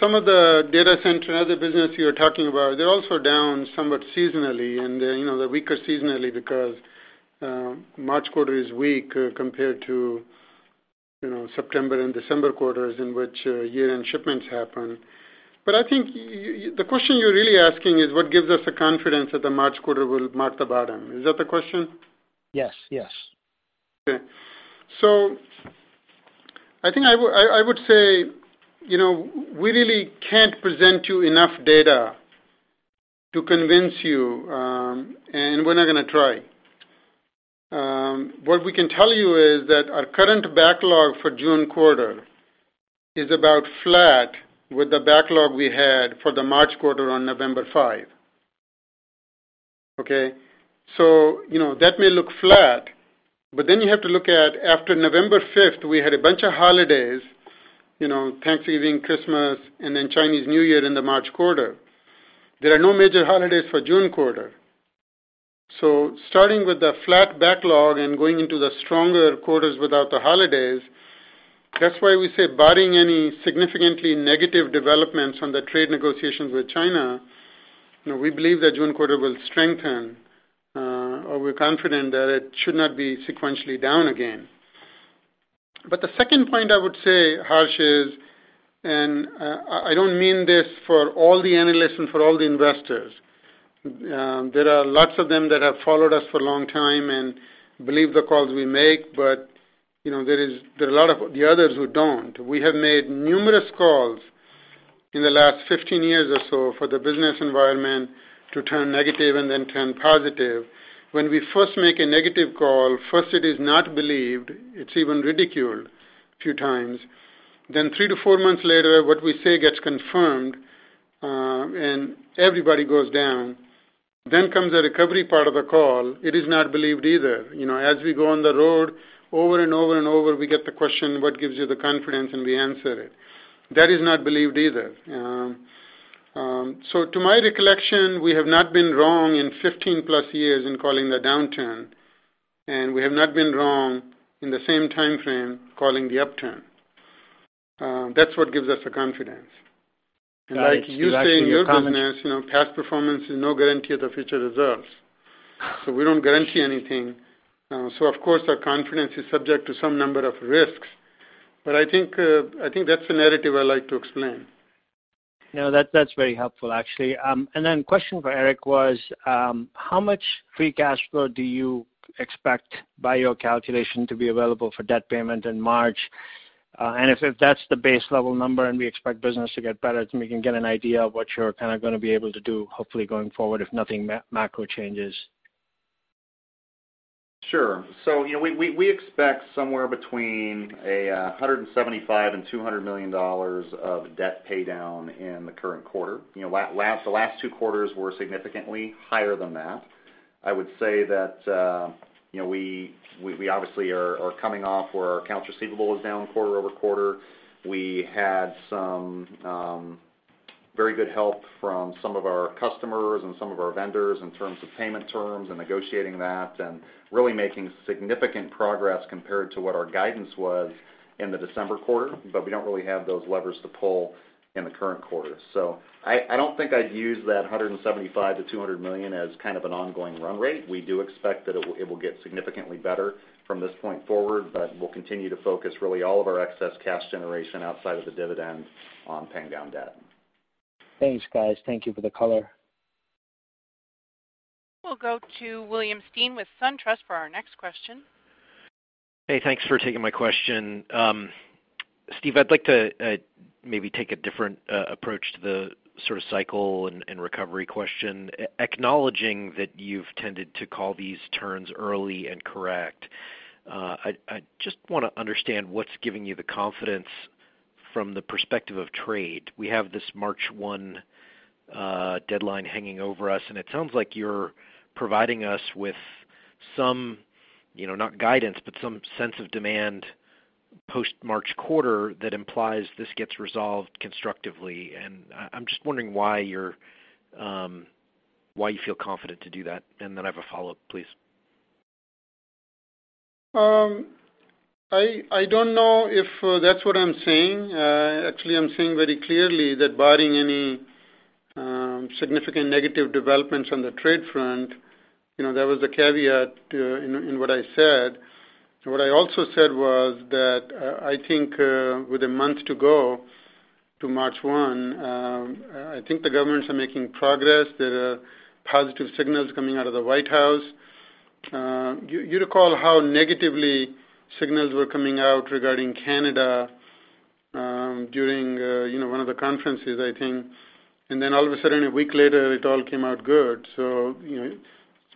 D: some of the data center and other business you're talking about, they're also down somewhat seasonally and they're weaker seasonally because March quarter is weak compared to September and December quarters in which year-end shipments happen. I think the question you're really asking is what gives us the confidence that the March quarter will mark the bottom. Is that the question?
J: Yes.
D: I think I would say, we really can't present you enough data to convince you, and we're not going to try. What we can tell you is that our current backlog for June quarter is about flat with the backlog we had for the March quarter on November 5. That may look flat, you have to look at after November 5th, we had a bunch of holidays, Thanksgiving, Christmas, and then Chinese New Year in the March quarter. There are no major holidays for June quarter. Starting with the flat backlog and going into the stronger quarters without the holidays, that's why we say barring any significantly negative developments from the trade negotiations with China, we believe the June quarter will strengthen, or we're confident that it should not be sequentially down again. The second point I would say, Harsh, is, I don't mean this for all the analysts and for all the investors. There are lots of them that have followed us for a long time and believe the calls we make, but there are a lot of the others who don't. We have made numerous calls in the last 15 years or so for the business environment to turn negative and then turn positive. When we first make a negative call, first it is not believed, it's even ridiculed a few times. three to four months later, what we say gets confirmed, and everybody goes down. Comes the recovery part of the call. It is not believed either. As we go on the road over and over, we get the question, "What gives you the confidence?" We answer it. That is not believed either. To my recollection, we have not been wrong in 15 plus years in calling the downturn, and we have not been wrong in the same timeframe calling the upturn. That's what gives us the confidence.
J: Guys, can you comment-
D: Like you say in your business, past performance is no guarantee of the future reserves. We don't guarantee anything. Of course, our confidence is subject to some number of risks. I think that's the narrative I like to explain.
J: No, that's very helpful, actually. Then question for Eric was, how much free cash flow do you expect by your calculation to be available for debt payment in March? If that's the base level number and we expect business to get better, we can get an idea of what you're kind of going to be able to do, hopefully going forward if nothing macro changes.
B: Sure. We expect somewhere between $175 million and $200 million of debt paydown in the current quarter. The last two quarters were significantly higher than that. I would say that we obviously are coming off where our accounts receivable is down quarter-over-quarter. We had some very good help from some of our customers and some of our vendors in terms of payment terms and negotiating that and really making significant progress compared to what our guidance was in the December quarter. We don't really have those levers to pull in the current quarter. I don't think I'd use that $175 million-$200 million as kind of an ongoing run rate. We do expect that it will get significantly better from this point forward, we'll continue to focus really all of our excess cash generation outside of the dividend on paying down debt.
J: Thanks, guys. Thank you for the color.
A: We'll go to William Stein with SunTrust for our next question.
K: Hey, thanks for taking my question. Steve, I'd like to maybe take a different approach to the sort of cycle and recovery question. Acknowledging that you've tended to call these turns early and correct, I just want to understand what's giving you the confidence from the perspective of trade. We have this March 1 deadline hanging over us, and it sounds like you're providing us with some, not guidance, but some sense of demand post March quarter that implies this gets resolved constructively. I'm just wondering why you feel confident to do that, and then I have a follow-up, please.
D: I don't know if that's what I'm saying. Actually, I'm saying very clearly that barring any significant negative developments on the trade front, that was a caveat in what I said. What I also said was that I think with a month to go to March 1, I think the governments are making progress. There are positive signals coming out of the White House. You recall how negatively signals were coming out regarding Canada, during one of the conferences, I think, and then all of a sudden, a week later, it all came out good.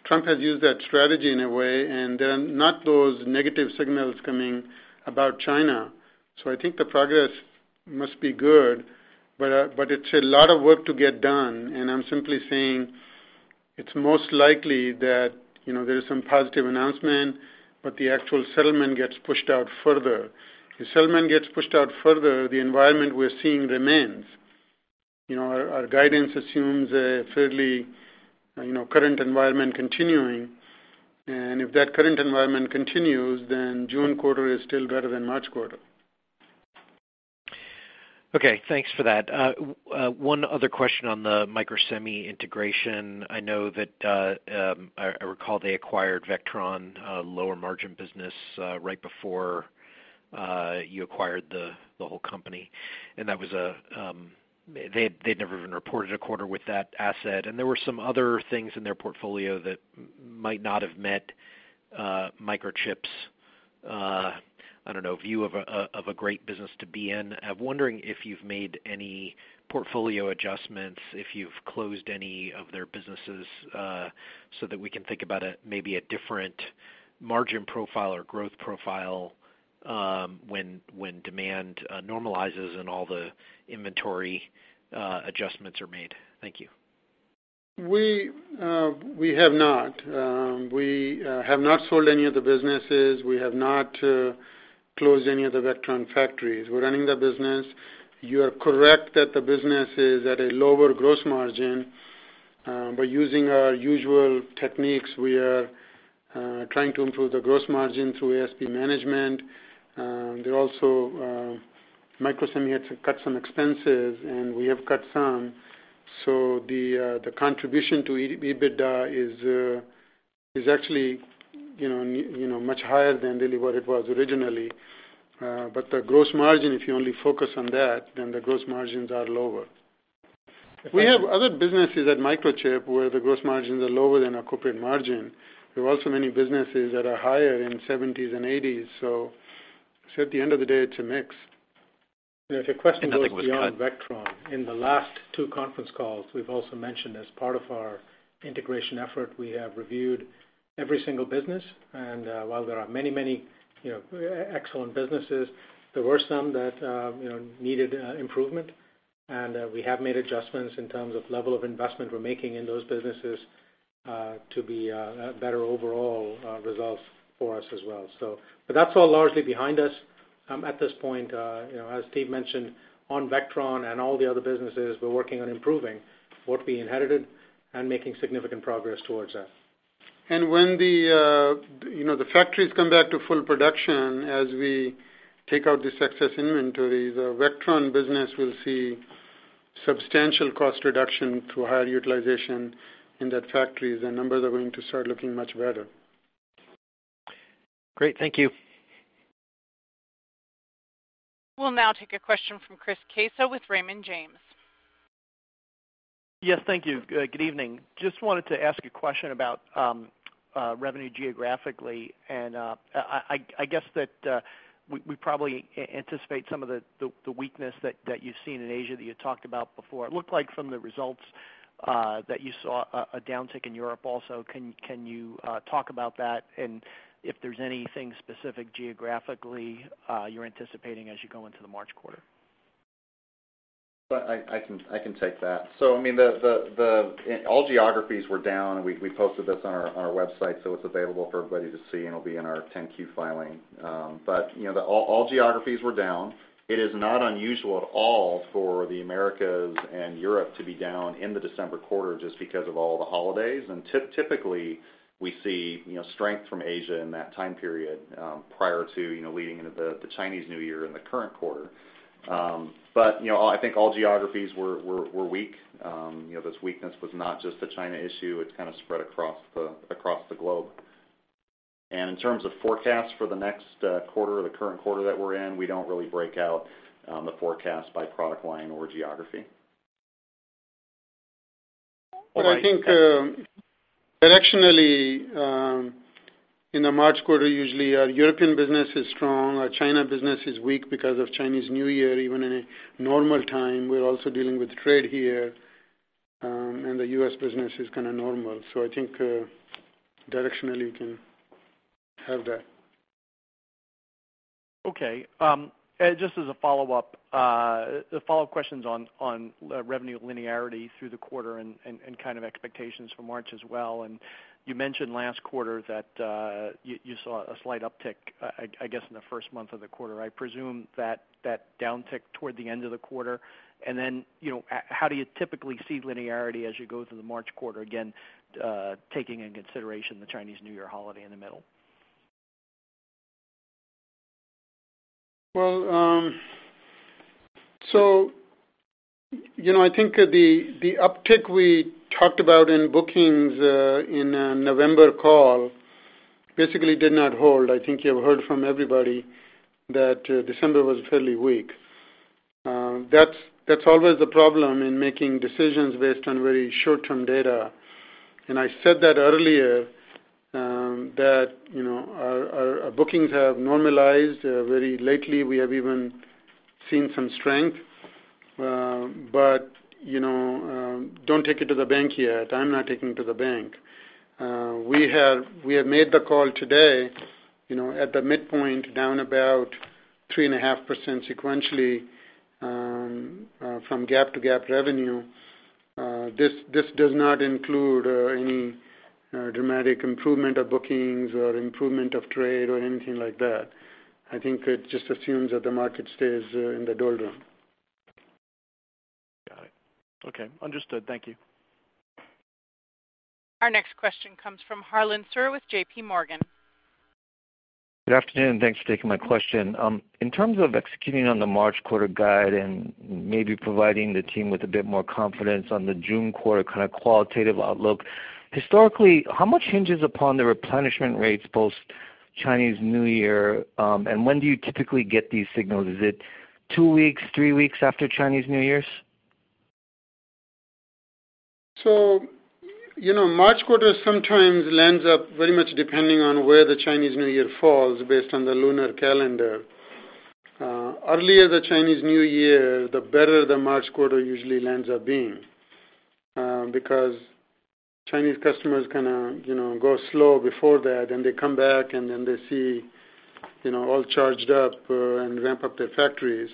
D: Trump has used that strategy in a way, and there are not those negative signals coming about China. I think the progress must be good, but it's a lot of work to get done, and I'm simply saying it's most likely that there is some positive announcement, but the actual settlement gets pushed out further. If settlement gets pushed out further, the environment we're seeing remains. Our guidance assumes a fairly current environment continuing, and if that current environment continues, then June quarter is still better than March quarter.
K: Okay, thanks for that. One other question on the Microsemi integration. I know that, I recall they acquired Vectron, a lower margin business, right before you acquired the whole company. They'd never even reported a quarter with that asset, and there were some other things in their portfolio that might not have met Microchip's, I don't know, view of a great business to be in. I'm wondering if you've made any portfolio adjustments, if you've closed any of their businesses, so that we can think about maybe a different margin profile or growth profile, when demand normalizes and all the inventory adjustments are made. Thank you.
D: We have not. We have not sold any of the businesses. We have not closed any of the Vectron factories. We're running the business. You are correct that the business is at a lower gross margin. We're using our usual techniques. We are trying to improve the gross margin through ASP management. Microsemi had to cut some expenses, and we have cut some. The contribution to EBITDA is actually much higher than really what it was originally. The gross margin, if you only focus on that, then the gross margins are lower. We have other businesses at Microchip where the gross margins are lower than our corporate margin. There are also many businesses that are higher in seventies and eighties. At the end of the day, it's a mix.
C: If your question was beyond Vectron, in the last two conference calls, we've also mentioned as part of our integration effort, we have reviewed every single business. While there are many excellent businesses, there were some that needed improvement. We have made adjustments in terms of level of investment we're making in those businesses to be better overall results for us as well. That's all largely behind us at this point. As Steve mentioned, on Vectron and all the other businesses, we're working on improving what we inherited and making significant progress towards that.
D: When the factories come back to full production, as we take out this excess inventory, the Vectron business will see substantial cost reduction through higher utilization in that factory. The numbers are going to start looking much better.
K: Great. Thank you.
A: We'll now take a question from Chris Caso with Raymond James.
L: Yes, thank you. Good evening. Just wanted to ask a question about revenue geographically, and I guess that we probably anticipate some of the weakness that you've seen in Asia that you talked about before. It looked like from the results, that you saw a downtick in Europe also. Can you talk about that and if there's anything specific geographically you're anticipating as you go into the March quarter?
B: I can take that. All geographies were down. We posted this on our website, so it's available for everybody to see, and it'll be in our 10-Q filing. All geographies were down. It is not unusual at all for the Americas and Europe to be down in the December quarter just because of all the holidays. Typically, we see strength from Asia in that time period prior to leading into the Chinese New Year in the current quarter. I think all geographies were weak. This weakness was not just the China issue. It's kind of spread across the globe. In terms of forecasts for the next quarter or the current quarter that we're in, we don't really break out the forecast by product line or geography.
D: I think directionally, in the March quarter, usually our European business is strong. Our China business is weak because of Chinese New Year, even in a normal time. We're also dealing with trade here, and the U.S. business is kind of normal. I think directionally you can have that.
L: Okay. Just as a follow-up question on revenue linearity through the quarter and kind of expectations for March as well. You mentioned last quarter that you saw a slight uptick, I guess, in the first month of the quarter. I presume that downticked toward the end of the quarter. How do you typically see linearity as you go through the March quarter, again, taking into consideration the Chinese New Year holiday in the middle?
D: I think the uptick we talked about in bookings in November call basically did not hold. I think you've heard from everybody that December was fairly weak. That's always the problem in making decisions based on very short-term data. I said that earlier, that our bookings have normalized very lately. We have even seen some strength. Don't take it to the bank yet. I'm not taking it to the bank. We have made the call today, at the midpoint, down about 3.5% sequentially from GAAP to GAAP revenue. This does not include any dramatic improvement of bookings or improvement of trade or anything like that. I think it just assumes that the market stays in the doldrum.
L: Got it. Okay. Understood. Thank you.
A: Our next question comes from Harlan Sur with JPMorgan.
M: Good afternoon, and thanks for taking my question. In terms of executing on the March quarter guide and maybe providing the team with a bit more confidence on the June quarter qualitative outlook, historically, how much hinges upon the replenishment rates post Chinese New Year, and when do you typically get these signals? Is it two weeks, three weeks after Chinese New Year?
D: March quarter sometimes lands up very much depending on where the Chinese New Year falls based on the lunar calendar. Earlier the Chinese New Year, the better the March quarter usually lands up being, because Chinese customers kind of go slow before that, and they come back and then they see all charged up and ramp up their factories.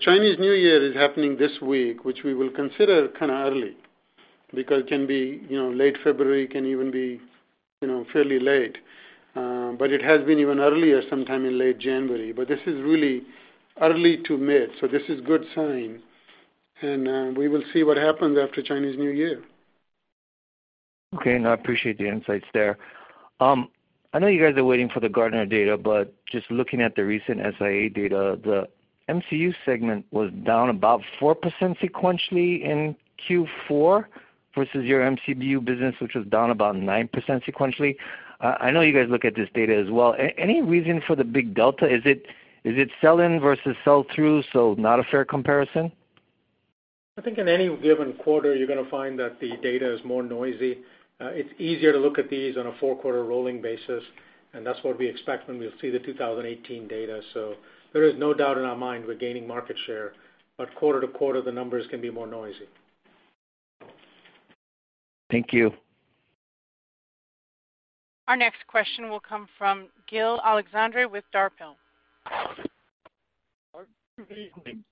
D: Chinese New Year is happening this week, which we will consider early, because it can be late February, it can even be fairly late. It has been even earlier sometime in late January. This is really early to mid, so this is good sign, and we will see what happens after Chinese New Year.
M: No, I appreciate the insights there. I know you guys are waiting for the Gartner data, just looking at the recent SIA data, the MCU segment was down about 4% sequentially in Q4 versus your MCU business, which was down about 9% sequentially. I know you guys look at this data as well. Any reason for the big delta? Is it sell in versus sell through, not a fair comparison?
C: I think in any given quarter, you're going to find that the data is more noisy. It's easier to look at these on a four-quarter rolling basis, that's what we expect when we'll see the 2018 data. There is no doubt in our mind we're gaining market share, quarter to quarter, the numbers can be more noisy.
M: Thank you.
A: Our next question will come from Gil Alexandre with Darphil.
N: Good evening.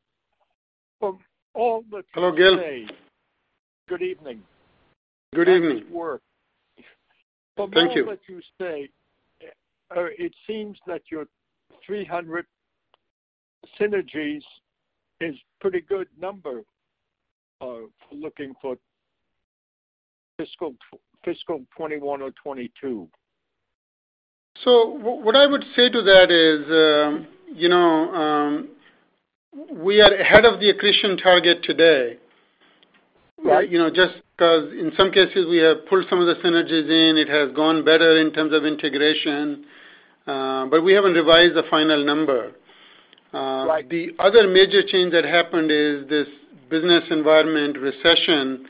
N: From all that you.
D: Hello, Gil.
N: Good evening.
D: Good evening.
N: Nice work.
D: Thank you.
N: From all that you say, it seems that your 300 synergies is pretty good number, for looking for fiscal 2021 or 2022.
D: What I would say to that is, we are ahead of the accretion target today.
N: Right.
D: Just because in some cases, we have pulled some of the synergies in, it has gone better in terms of integration. We haven't revised the final number.
N: Right.
D: The other major change that happened is this business environment recession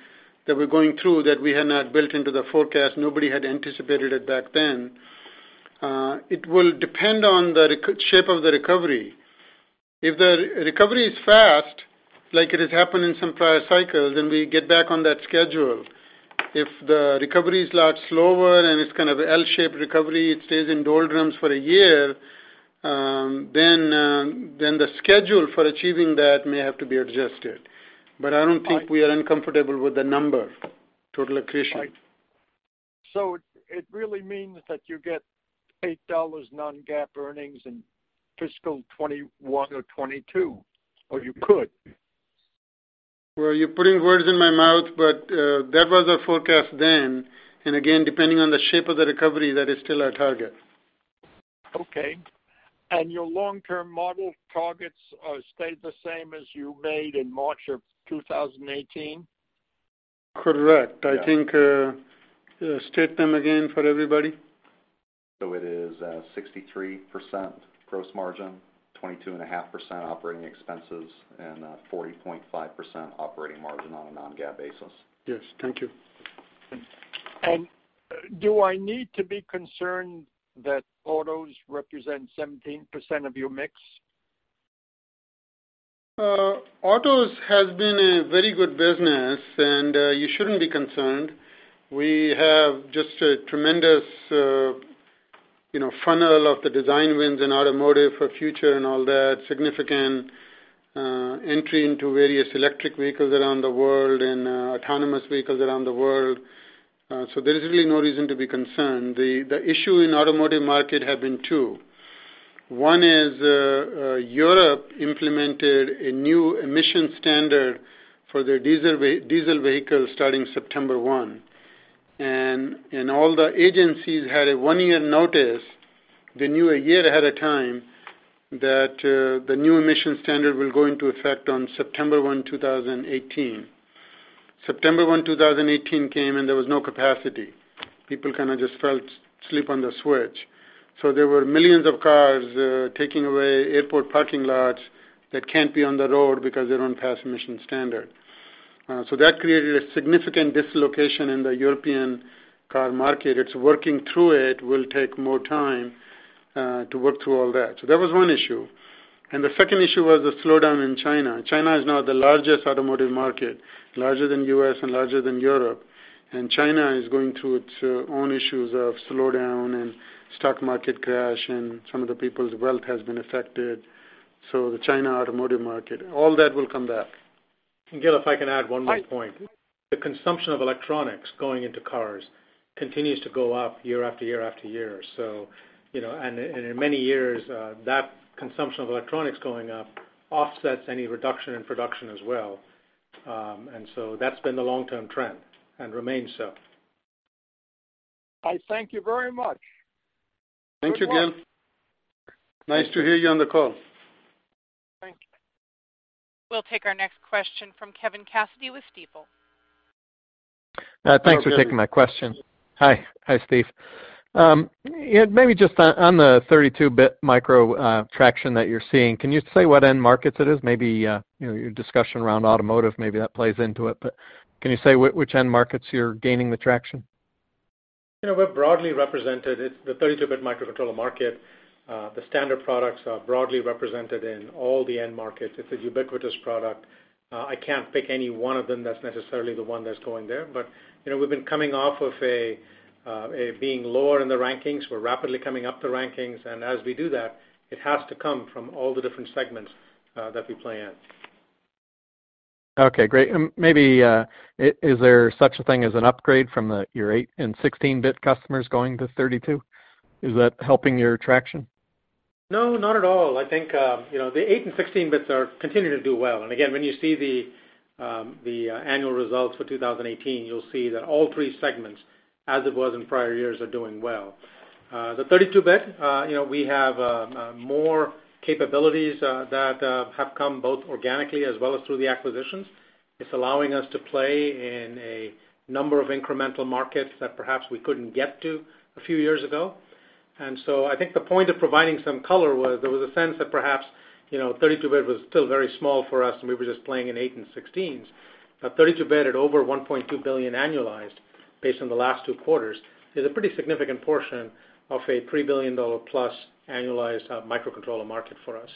D: that we're going through that we had not built into the forecast. Nobody had anticipated it back then. It will depend on the shape of the recovery. If the recovery is fast, like it has happened in some prior cycles, then we get back on that schedule. If the recovery is lot slower and it's kind of L-shaped recovery, it stays in doldrums for a year, then the schedule for achieving that may have to be adjusted. I don't think we are uncomfortable with the number, total accretion.
N: Right. It really means that you get $8 non-GAAP earnings in fiscal 2021 or 2022, or you could.
D: Well, you're putting words in my mouth, that was our forecast then. Again, depending on the shape of the recovery, that is still our target.
N: Okay. Your long-term model targets stayed the same as you made in March of 2018?
D: Correct.
N: Yeah.
D: I think, state them again for everybody.
B: It is 63% gross margin, 22.5% operating expenses, and 40.5% operating margin on a non-GAAP basis.
D: Yes. Thank you.
N: Do I need to be concerned that autos represent 17% of your mix?
D: Autos has been a very good business. You shouldn't be concerned. We have just a tremendous funnel of the design wins in automotive for future and all that, significant entry into various electric vehicles around the world and autonomous vehicles around the world. There's really no reason to be concerned. The issue in automotive market have been two. One is, Europe implemented a new emission standard for their diesel vehicles starting September 1. All the agencies had a one-year notice. They knew a year ahead of time that the new emission standard will go into effect on September 1, 2018. September 1, 2018 came. There was no capacity. People kind of just fell asleep on the switch. There were millions of cars taking away airport parking lots that can't be on the road because they don't pass emission standard. That created a significant dislocation in the European car market. It's working through it, will take more time to work through all that. That was one issue. The second issue was the slowdown in China. China is now the largest automotive market, larger than U.S. and larger than Europe. China is going through its own issues of slowdown and stock market crash, and some of the people's wealth has been affected. The China automotive market, all that will come back.
C: Gil, if I can add one more point. The consumption of electronics going into cars continues to go up year after year after year. In many years, that consumption of electronics going up offsets any reduction in production as well. So that's been the long-term trend and remains so.
N: I thank you very much.
D: Thank you, Gil.
N: Good luck.
D: Nice to hear you on the call.
N: Thank you.
A: We'll take our next question from Kevin Cassidy with Stifel.
D: Hi, Kevin.
O: Thanks for taking my question. Hi, Steve. Maybe just on the 32-bit micro traction that you're seeing, can you say what end markets it is? Maybe, your discussion around automotive, maybe that plays into it, but can you say which end markets you're gaining the traction?
C: We're broadly represented. The 32-bit microcontroller market, the standard products are broadly represented in all the end markets. It's a ubiquitous product. I can't pick any one of them that's necessarily the one that's going there. We've been coming off of being lower in the rankings. We're rapidly coming up the rankings, as we do that, it has to come from all the different segments that we play in.
O: Okay, great. Maybe, is there such a thing as an upgrade from your eight and 16-bit customers going to 32? Is that helping your traction?
C: No, not at all. I think, the eight and 16-bits continue to do well. Again, when you see the annual results for 2018, you'll see that all three segments, as it was in prior years, are doing well. The 32-bit, we have more capabilities that have come both organically as well as through the acquisitions. It's allowing us to play in a number of incremental markets that perhaps we couldn't get to a few years ago. So I think the point of providing some color was there was a sense that perhaps 32-bit was still very small for us, and we were just playing in eight and 16s. Now 32-bit at over $1.2 billion annualized based on the last two quarters is a pretty significant portion of a $3 billion-plus annualized microcontroller market for us.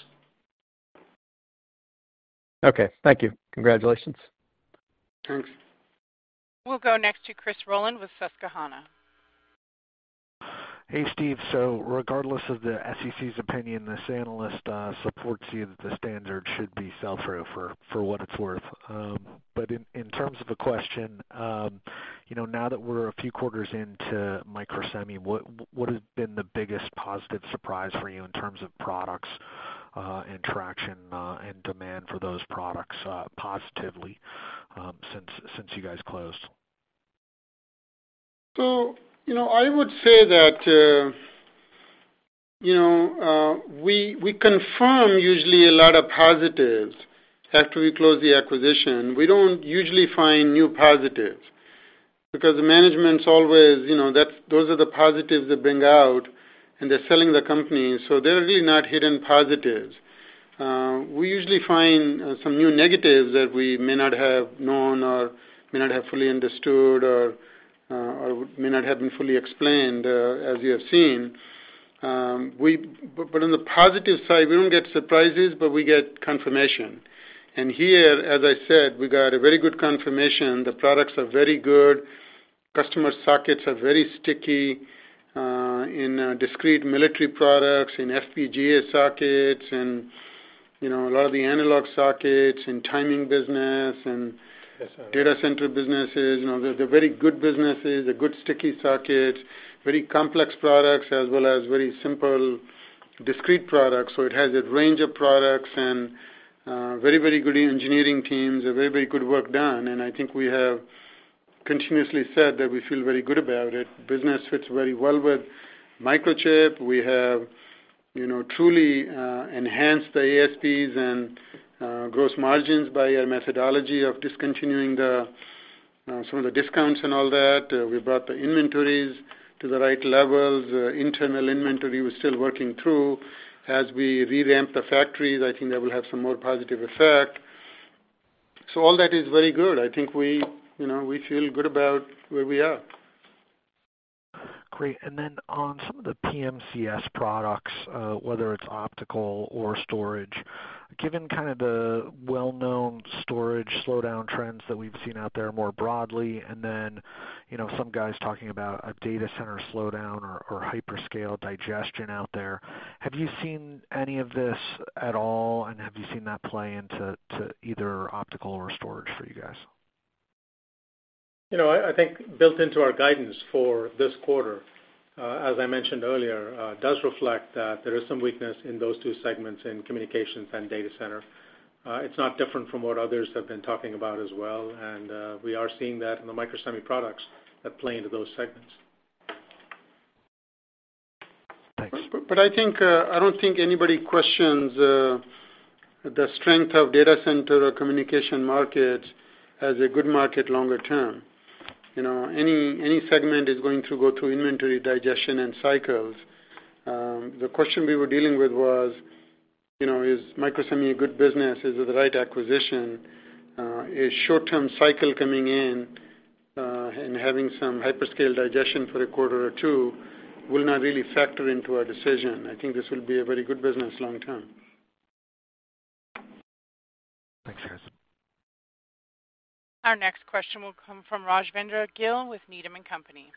O: Okay. Thank you. Congratulations.
C: Thanks.
A: We'll go next to Chris Rolland with Susquehanna.
P: Hey, Steve. Regardless of the SEC's opinion, this analyst supports you that the standard should be sell-through, for what it's worth. In terms of a question, now that we're a few quarters into Microsemi, what has been the biggest positive surprise for you in terms of products, and traction, and demand for those products, positively, since you guys closed?
D: I would say that we confirm usually a lot of positives after we close the acquisition. We don't usually find new positives because the management's always, those are the positives they bring out, and they're selling the company, so there are really not hidden positives. We usually find some new negatives that we may not have known, or may not have fully understood, or may not have been fully explained, as you have seen. On the positive side, we don't get surprises, but we get confirmation. Here, as I said, we got a very good confirmation. The products are very good. Customer sockets are very sticky, in discrete military products, in FPGA sockets, in a lot of the analog sockets, in timing business. Data center businesses. They're very good businesses, they're good sticky sockets, very complex products, as well as very simple discrete products. It has a range of products and very good engineering teams, very good work done. I think we have continuously said that we feel very good about it. Business fits very well with Microchip. We have truly enhanced the ASPs and gross margins by our methodology of discontinuing some of the discounts and all that. We brought the inventories to the right levels. Internal inventory, we're still working through. As we revamp the factories, I think that will have some more positive effect. All that is very good. I think we feel good about where we are.
P: Great. Then on some of the PMCS products, whether it's optical or storage, given kind of the well-known storage slowdown trends that we've seen out there more broadly, then some guys talking about a data center slowdown or hyperscale digestion out there, have you seen any of this at all, and have you seen that play into either optical or storage for you guys?
C: I think built into our guidance for this quarter, as I mentioned earlier, does reflect that there is some weakness in those two segments in communications and data center. It's not different from what others have been talking about as well. We are seeing that in the Microsemi products that play into those segments.
P: Thanks.
D: I don't think anybody questions the strength of data center or communication market as a good market longer term. Any segment is going to go through inventory digestion and cycles. The question we were dealing with was, is Microsemi a good business? Is it the right acquisition? A short-term cycle coming in, and having some hyperscale digestion for a quarter or two will not really factor into our decision. I think this will be a very good business long-term.
P: Thanks, guys.
A: Our next question will come from Rajvindra Gill with Needham & Company.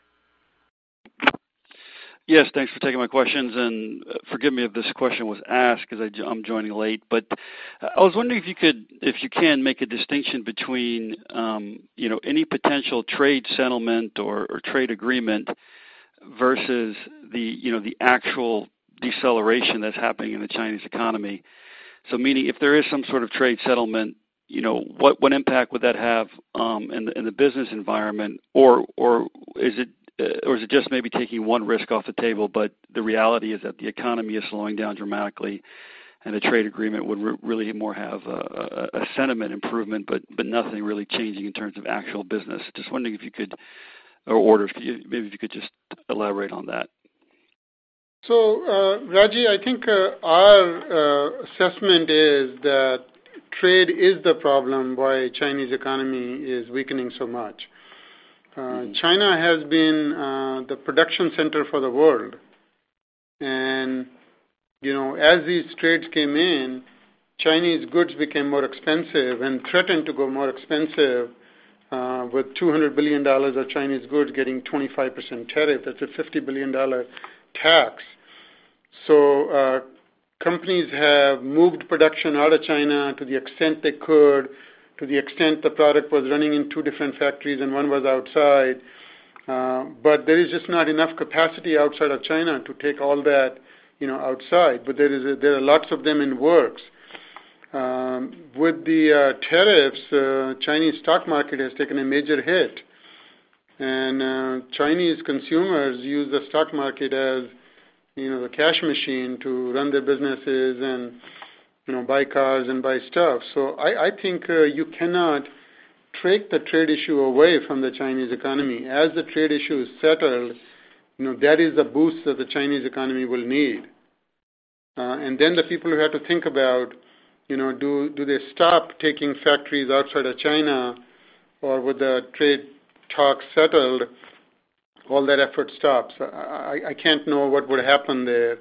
Q: Yes, thanks for taking my questions, and forgive me if this question was asked because I'm joining late. I was wondering if you can make a distinction between any potential trade settlement or trade agreement versus the actual deceleration that's happening in the Chinese economy. Meaning, if there is some sort of trade settlement? What impact would that have in the business environment? Is it just maybe taking one risk off the table, but the reality is that the economy is slowing down dramatically, and the trade agreement would really more have a sentiment improvement, but nothing really changing in terms of actual business. Just wondering, maybe if you could just elaborate on that.
D: Raji, I think our assessment is that trade is the problem why Chinese economy is weakening so much. China has been the production center for the world, and as these trades came in, Chinese goods became more expensive and threatened to go more expensive, with $200 billion of Chinese goods getting 25% tariff. That's a $50 billion tax. Companies have moved production out of China to the extent they could, to the extent the product was running in two different factories and one was outside. There is just not enough capacity outside of China to take all that outside. There are lots of them in works. With the tariffs, Chinese stock market has taken a major hit. Chinese consumers use the stock market as the cash machine to run their businesses and buy cars and buy stuff. I think you cannot take the trade issue away from the Chinese economy. As the trade issue is settled, that is the boost that the Chinese economy will need. The people who have to think about, do they stop taking factories outside of China, or with the trade talks settled, all that effort stops. I can't know what would happen there.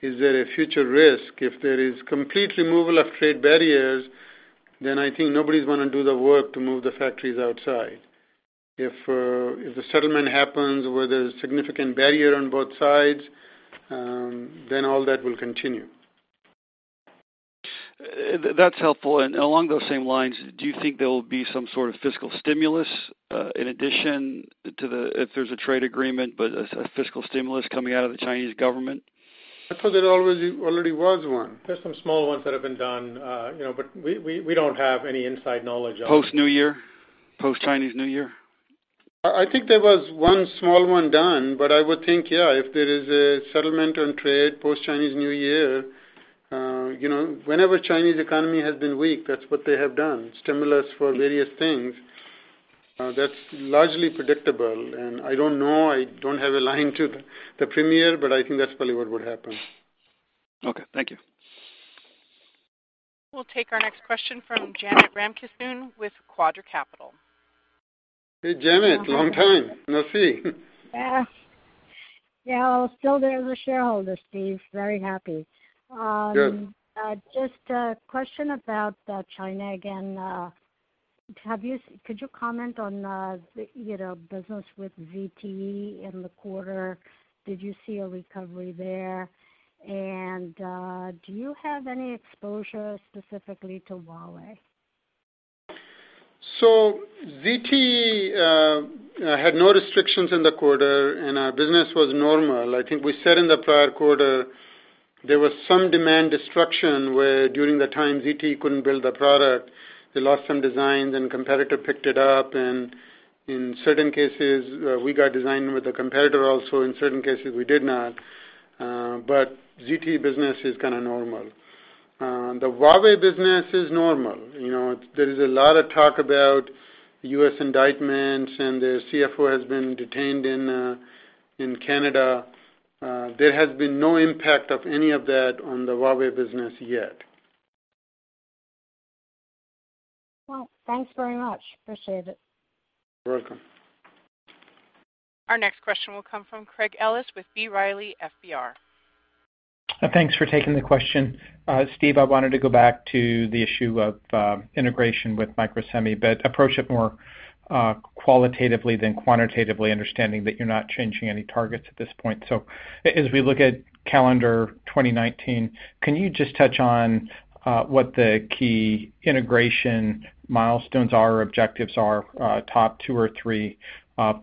D: Is there a future risk? If there is complete removal of trade barriers, I think nobody's going to do the work to move the factories outside. If the settlement happens where there's significant barrier on both sides, all that will continue.
Q: That's helpful. Along those same lines, do you think there will be some sort of fiscal stimulus in addition, if there's a trade agreement, but a fiscal stimulus coming out of the Chinese government?
D: I thought there already was one.
C: There's some small ones that have been done, we don't have any inside knowledge on it.
Q: Post-New Year, post-Chinese New Year?
D: I think there was one small one done, but I would think, yeah, if there is a settlement on trade post-Chinese New Year. Whenever Chinese economy has been weak, that's what they have done, stimulus for various things. That's largely predictable, and I don't know. I don't have a line to the Premier, but I think that's probably what would happen.
Q: Okay. Thank you.
A: We'll take our next question from Janet Ramkissoon with Quadra Capital.
D: Hey, Janet. Long time, no see.
R: Yeah. Still there as a shareholder, Steve, very happy.
D: Good.
R: Just a question about China again. Could you comment on the business with ZTE in the quarter? Did you see a recovery there? Do you have any exposure specifically to Huawei?
D: ZTE had no restrictions in the quarter, and our business was normal. I think we said in the prior quarter, there was some demand destruction where during the time ZTE couldn't build a product, they lost some designs, and competitor picked it up. In certain cases, we got design with a competitor also, in certain cases, we did not. ZTE business is kind of normal. The Huawei business is normal. There is a lot of talk about U.S. indictments, and the CFO has been detained in Canada. There has been no impact of any of that on the Huawei business yet.
R: Well, thanks very much. Appreciate it.
D: You're welcome.
A: Our next question will come from Craig Ellis with B. Riley FBR.
S: Thanks for taking the question. Steve, I wanted to go back to the issue of integration with Microsemi, but approach it more qualitatively than quantitatively, understanding that you're not changing any targets at this point. As we look at calendar 2019, can you just touch on what the key integration milestones are, or objectives are, top two or three,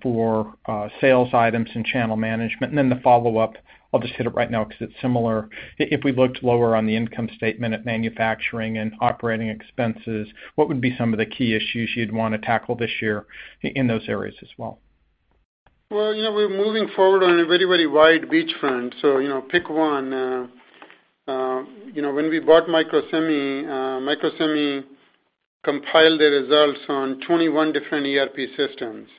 S: for sales items and channel management? The follow-up, I'll just hit it right now because it's similar. If we looked lower on the income statement at manufacturing and operating expenses, what would be some of the key issues you'd want to tackle this year in those areas as well?
D: Well, we're moving forward on a very wide beach front. Pick one. When we bought Microsemi compiled the results on 21 different ERP systems.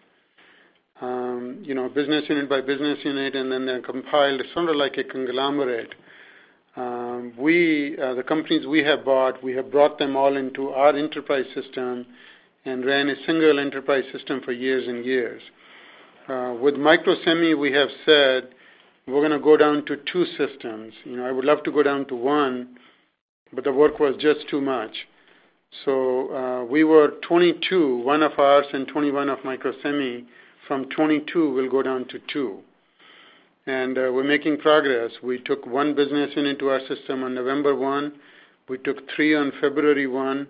D: Business unit by business unit, and then compiled sort of like a conglomerate. The companies we have bought, we have brought them all into our enterprise system and ran a single enterprise system for years and years. With Microsemi, we have said we're going to go down to two systems. I would love to go down to one, but the work was just too much. We were 22, one of ours and 21 of Microsemi. From 22, we'll go down to two. We're making progress. We took one business unit to our system on November 1. We took three on February 1.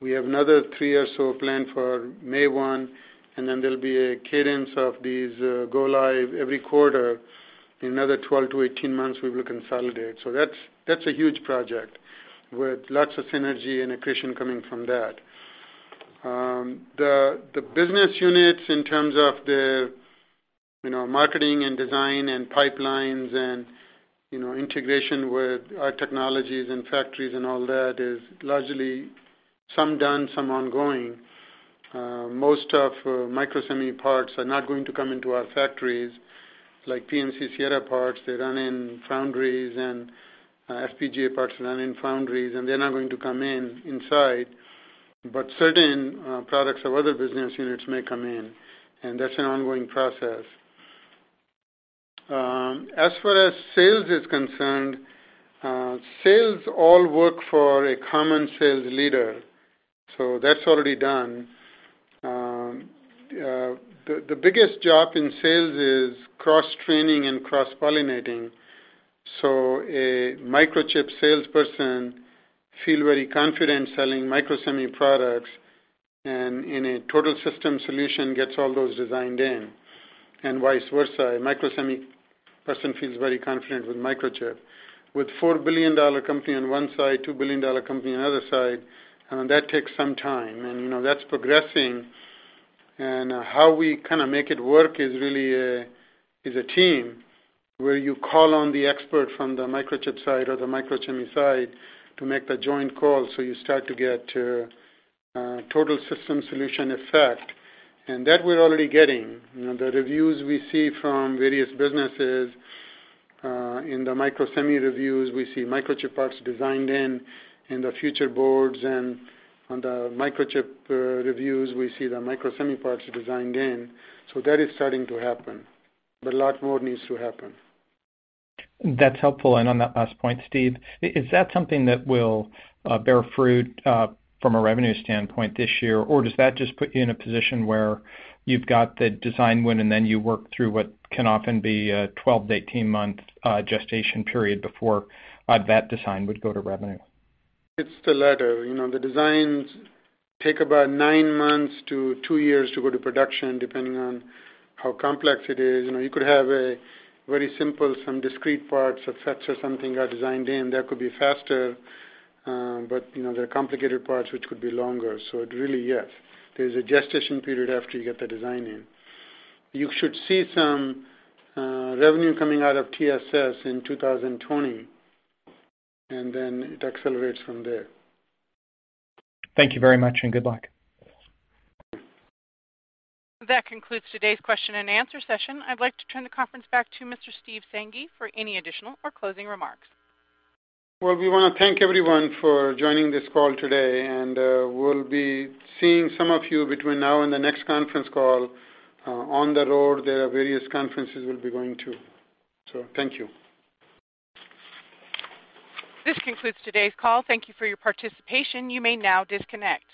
D: We have another three or so planned for May 1, there'll be a cadence of these go live every quarter. In another 12-18 months, we will consolidate. That's a huge project with lots of synergy and accretion coming from that. The business units in terms of the marketing and design and pipelines and integration with our technologies and factories and all that is largely some done, some ongoing. Most of Microsemi parts are not going to come into our factories like PMC-Sierra parts, they run in foundries, and FPGA parts run in foundries, they're not going to come in inside. Certain products of other business units may come in, and that's an ongoing process. As far as sales is concerned, sales all work for a common sales leader, that's already done. The biggest job in sales is cross-training and cross-pollinating. A Microchip salesperson feel very confident selling Microsemi products, and in a Total System Solution gets all those designed in, and vice versa. A Microsemi person feels very confident with Microchip. With a $4 billion company on one side, a $2 billion company on the other side, that takes some time, and that's progressing. How we make it work is a team, where you call on the expert from the Microchip side or the Microsemi side to make the joint call, you start to get Total System Solution effect. That we're already getting. The reviews we see from various businesses, in the Microsemi reviews, we see Microchip parts designed in in the future boards, and on the Microchip reviews, we see the Microsemi parts designed in. That is starting to happen, but a lot more needs to happen.
S: That's helpful. On that last point, Steve, is that something that will bear fruit from a revenue standpoint this year? Or does that just put you in a position where you've got the design win, and then you work through what can often be a 12-18 month gestation period before that design would go to revenue?
D: It's the latter. The designs take about nine months to two years to go to production, depending on how complex it is. You could have a very simple, some discrete parts, a FET or something are designed in, that could be faster. There are complicated parts which could be longer. It really, yes, there's a gestation period after you get the design in. You should see some revenue coming out of TSS in 2020, and then it accelerates from there.
S: Thank you very much, and good luck.
A: That concludes today's Q&A session. I'd like to turn the conference back to Mr. Steve Sanghi for any additional or closing remarks.
D: Well, we want to thank everyone for joining this call today, and we'll be seeing some of you between now and the next conference call on the road. There are various conferences we'll be going to. Thank you.
A: This concludes today's call. Thank you for your participation. You may now disconnect.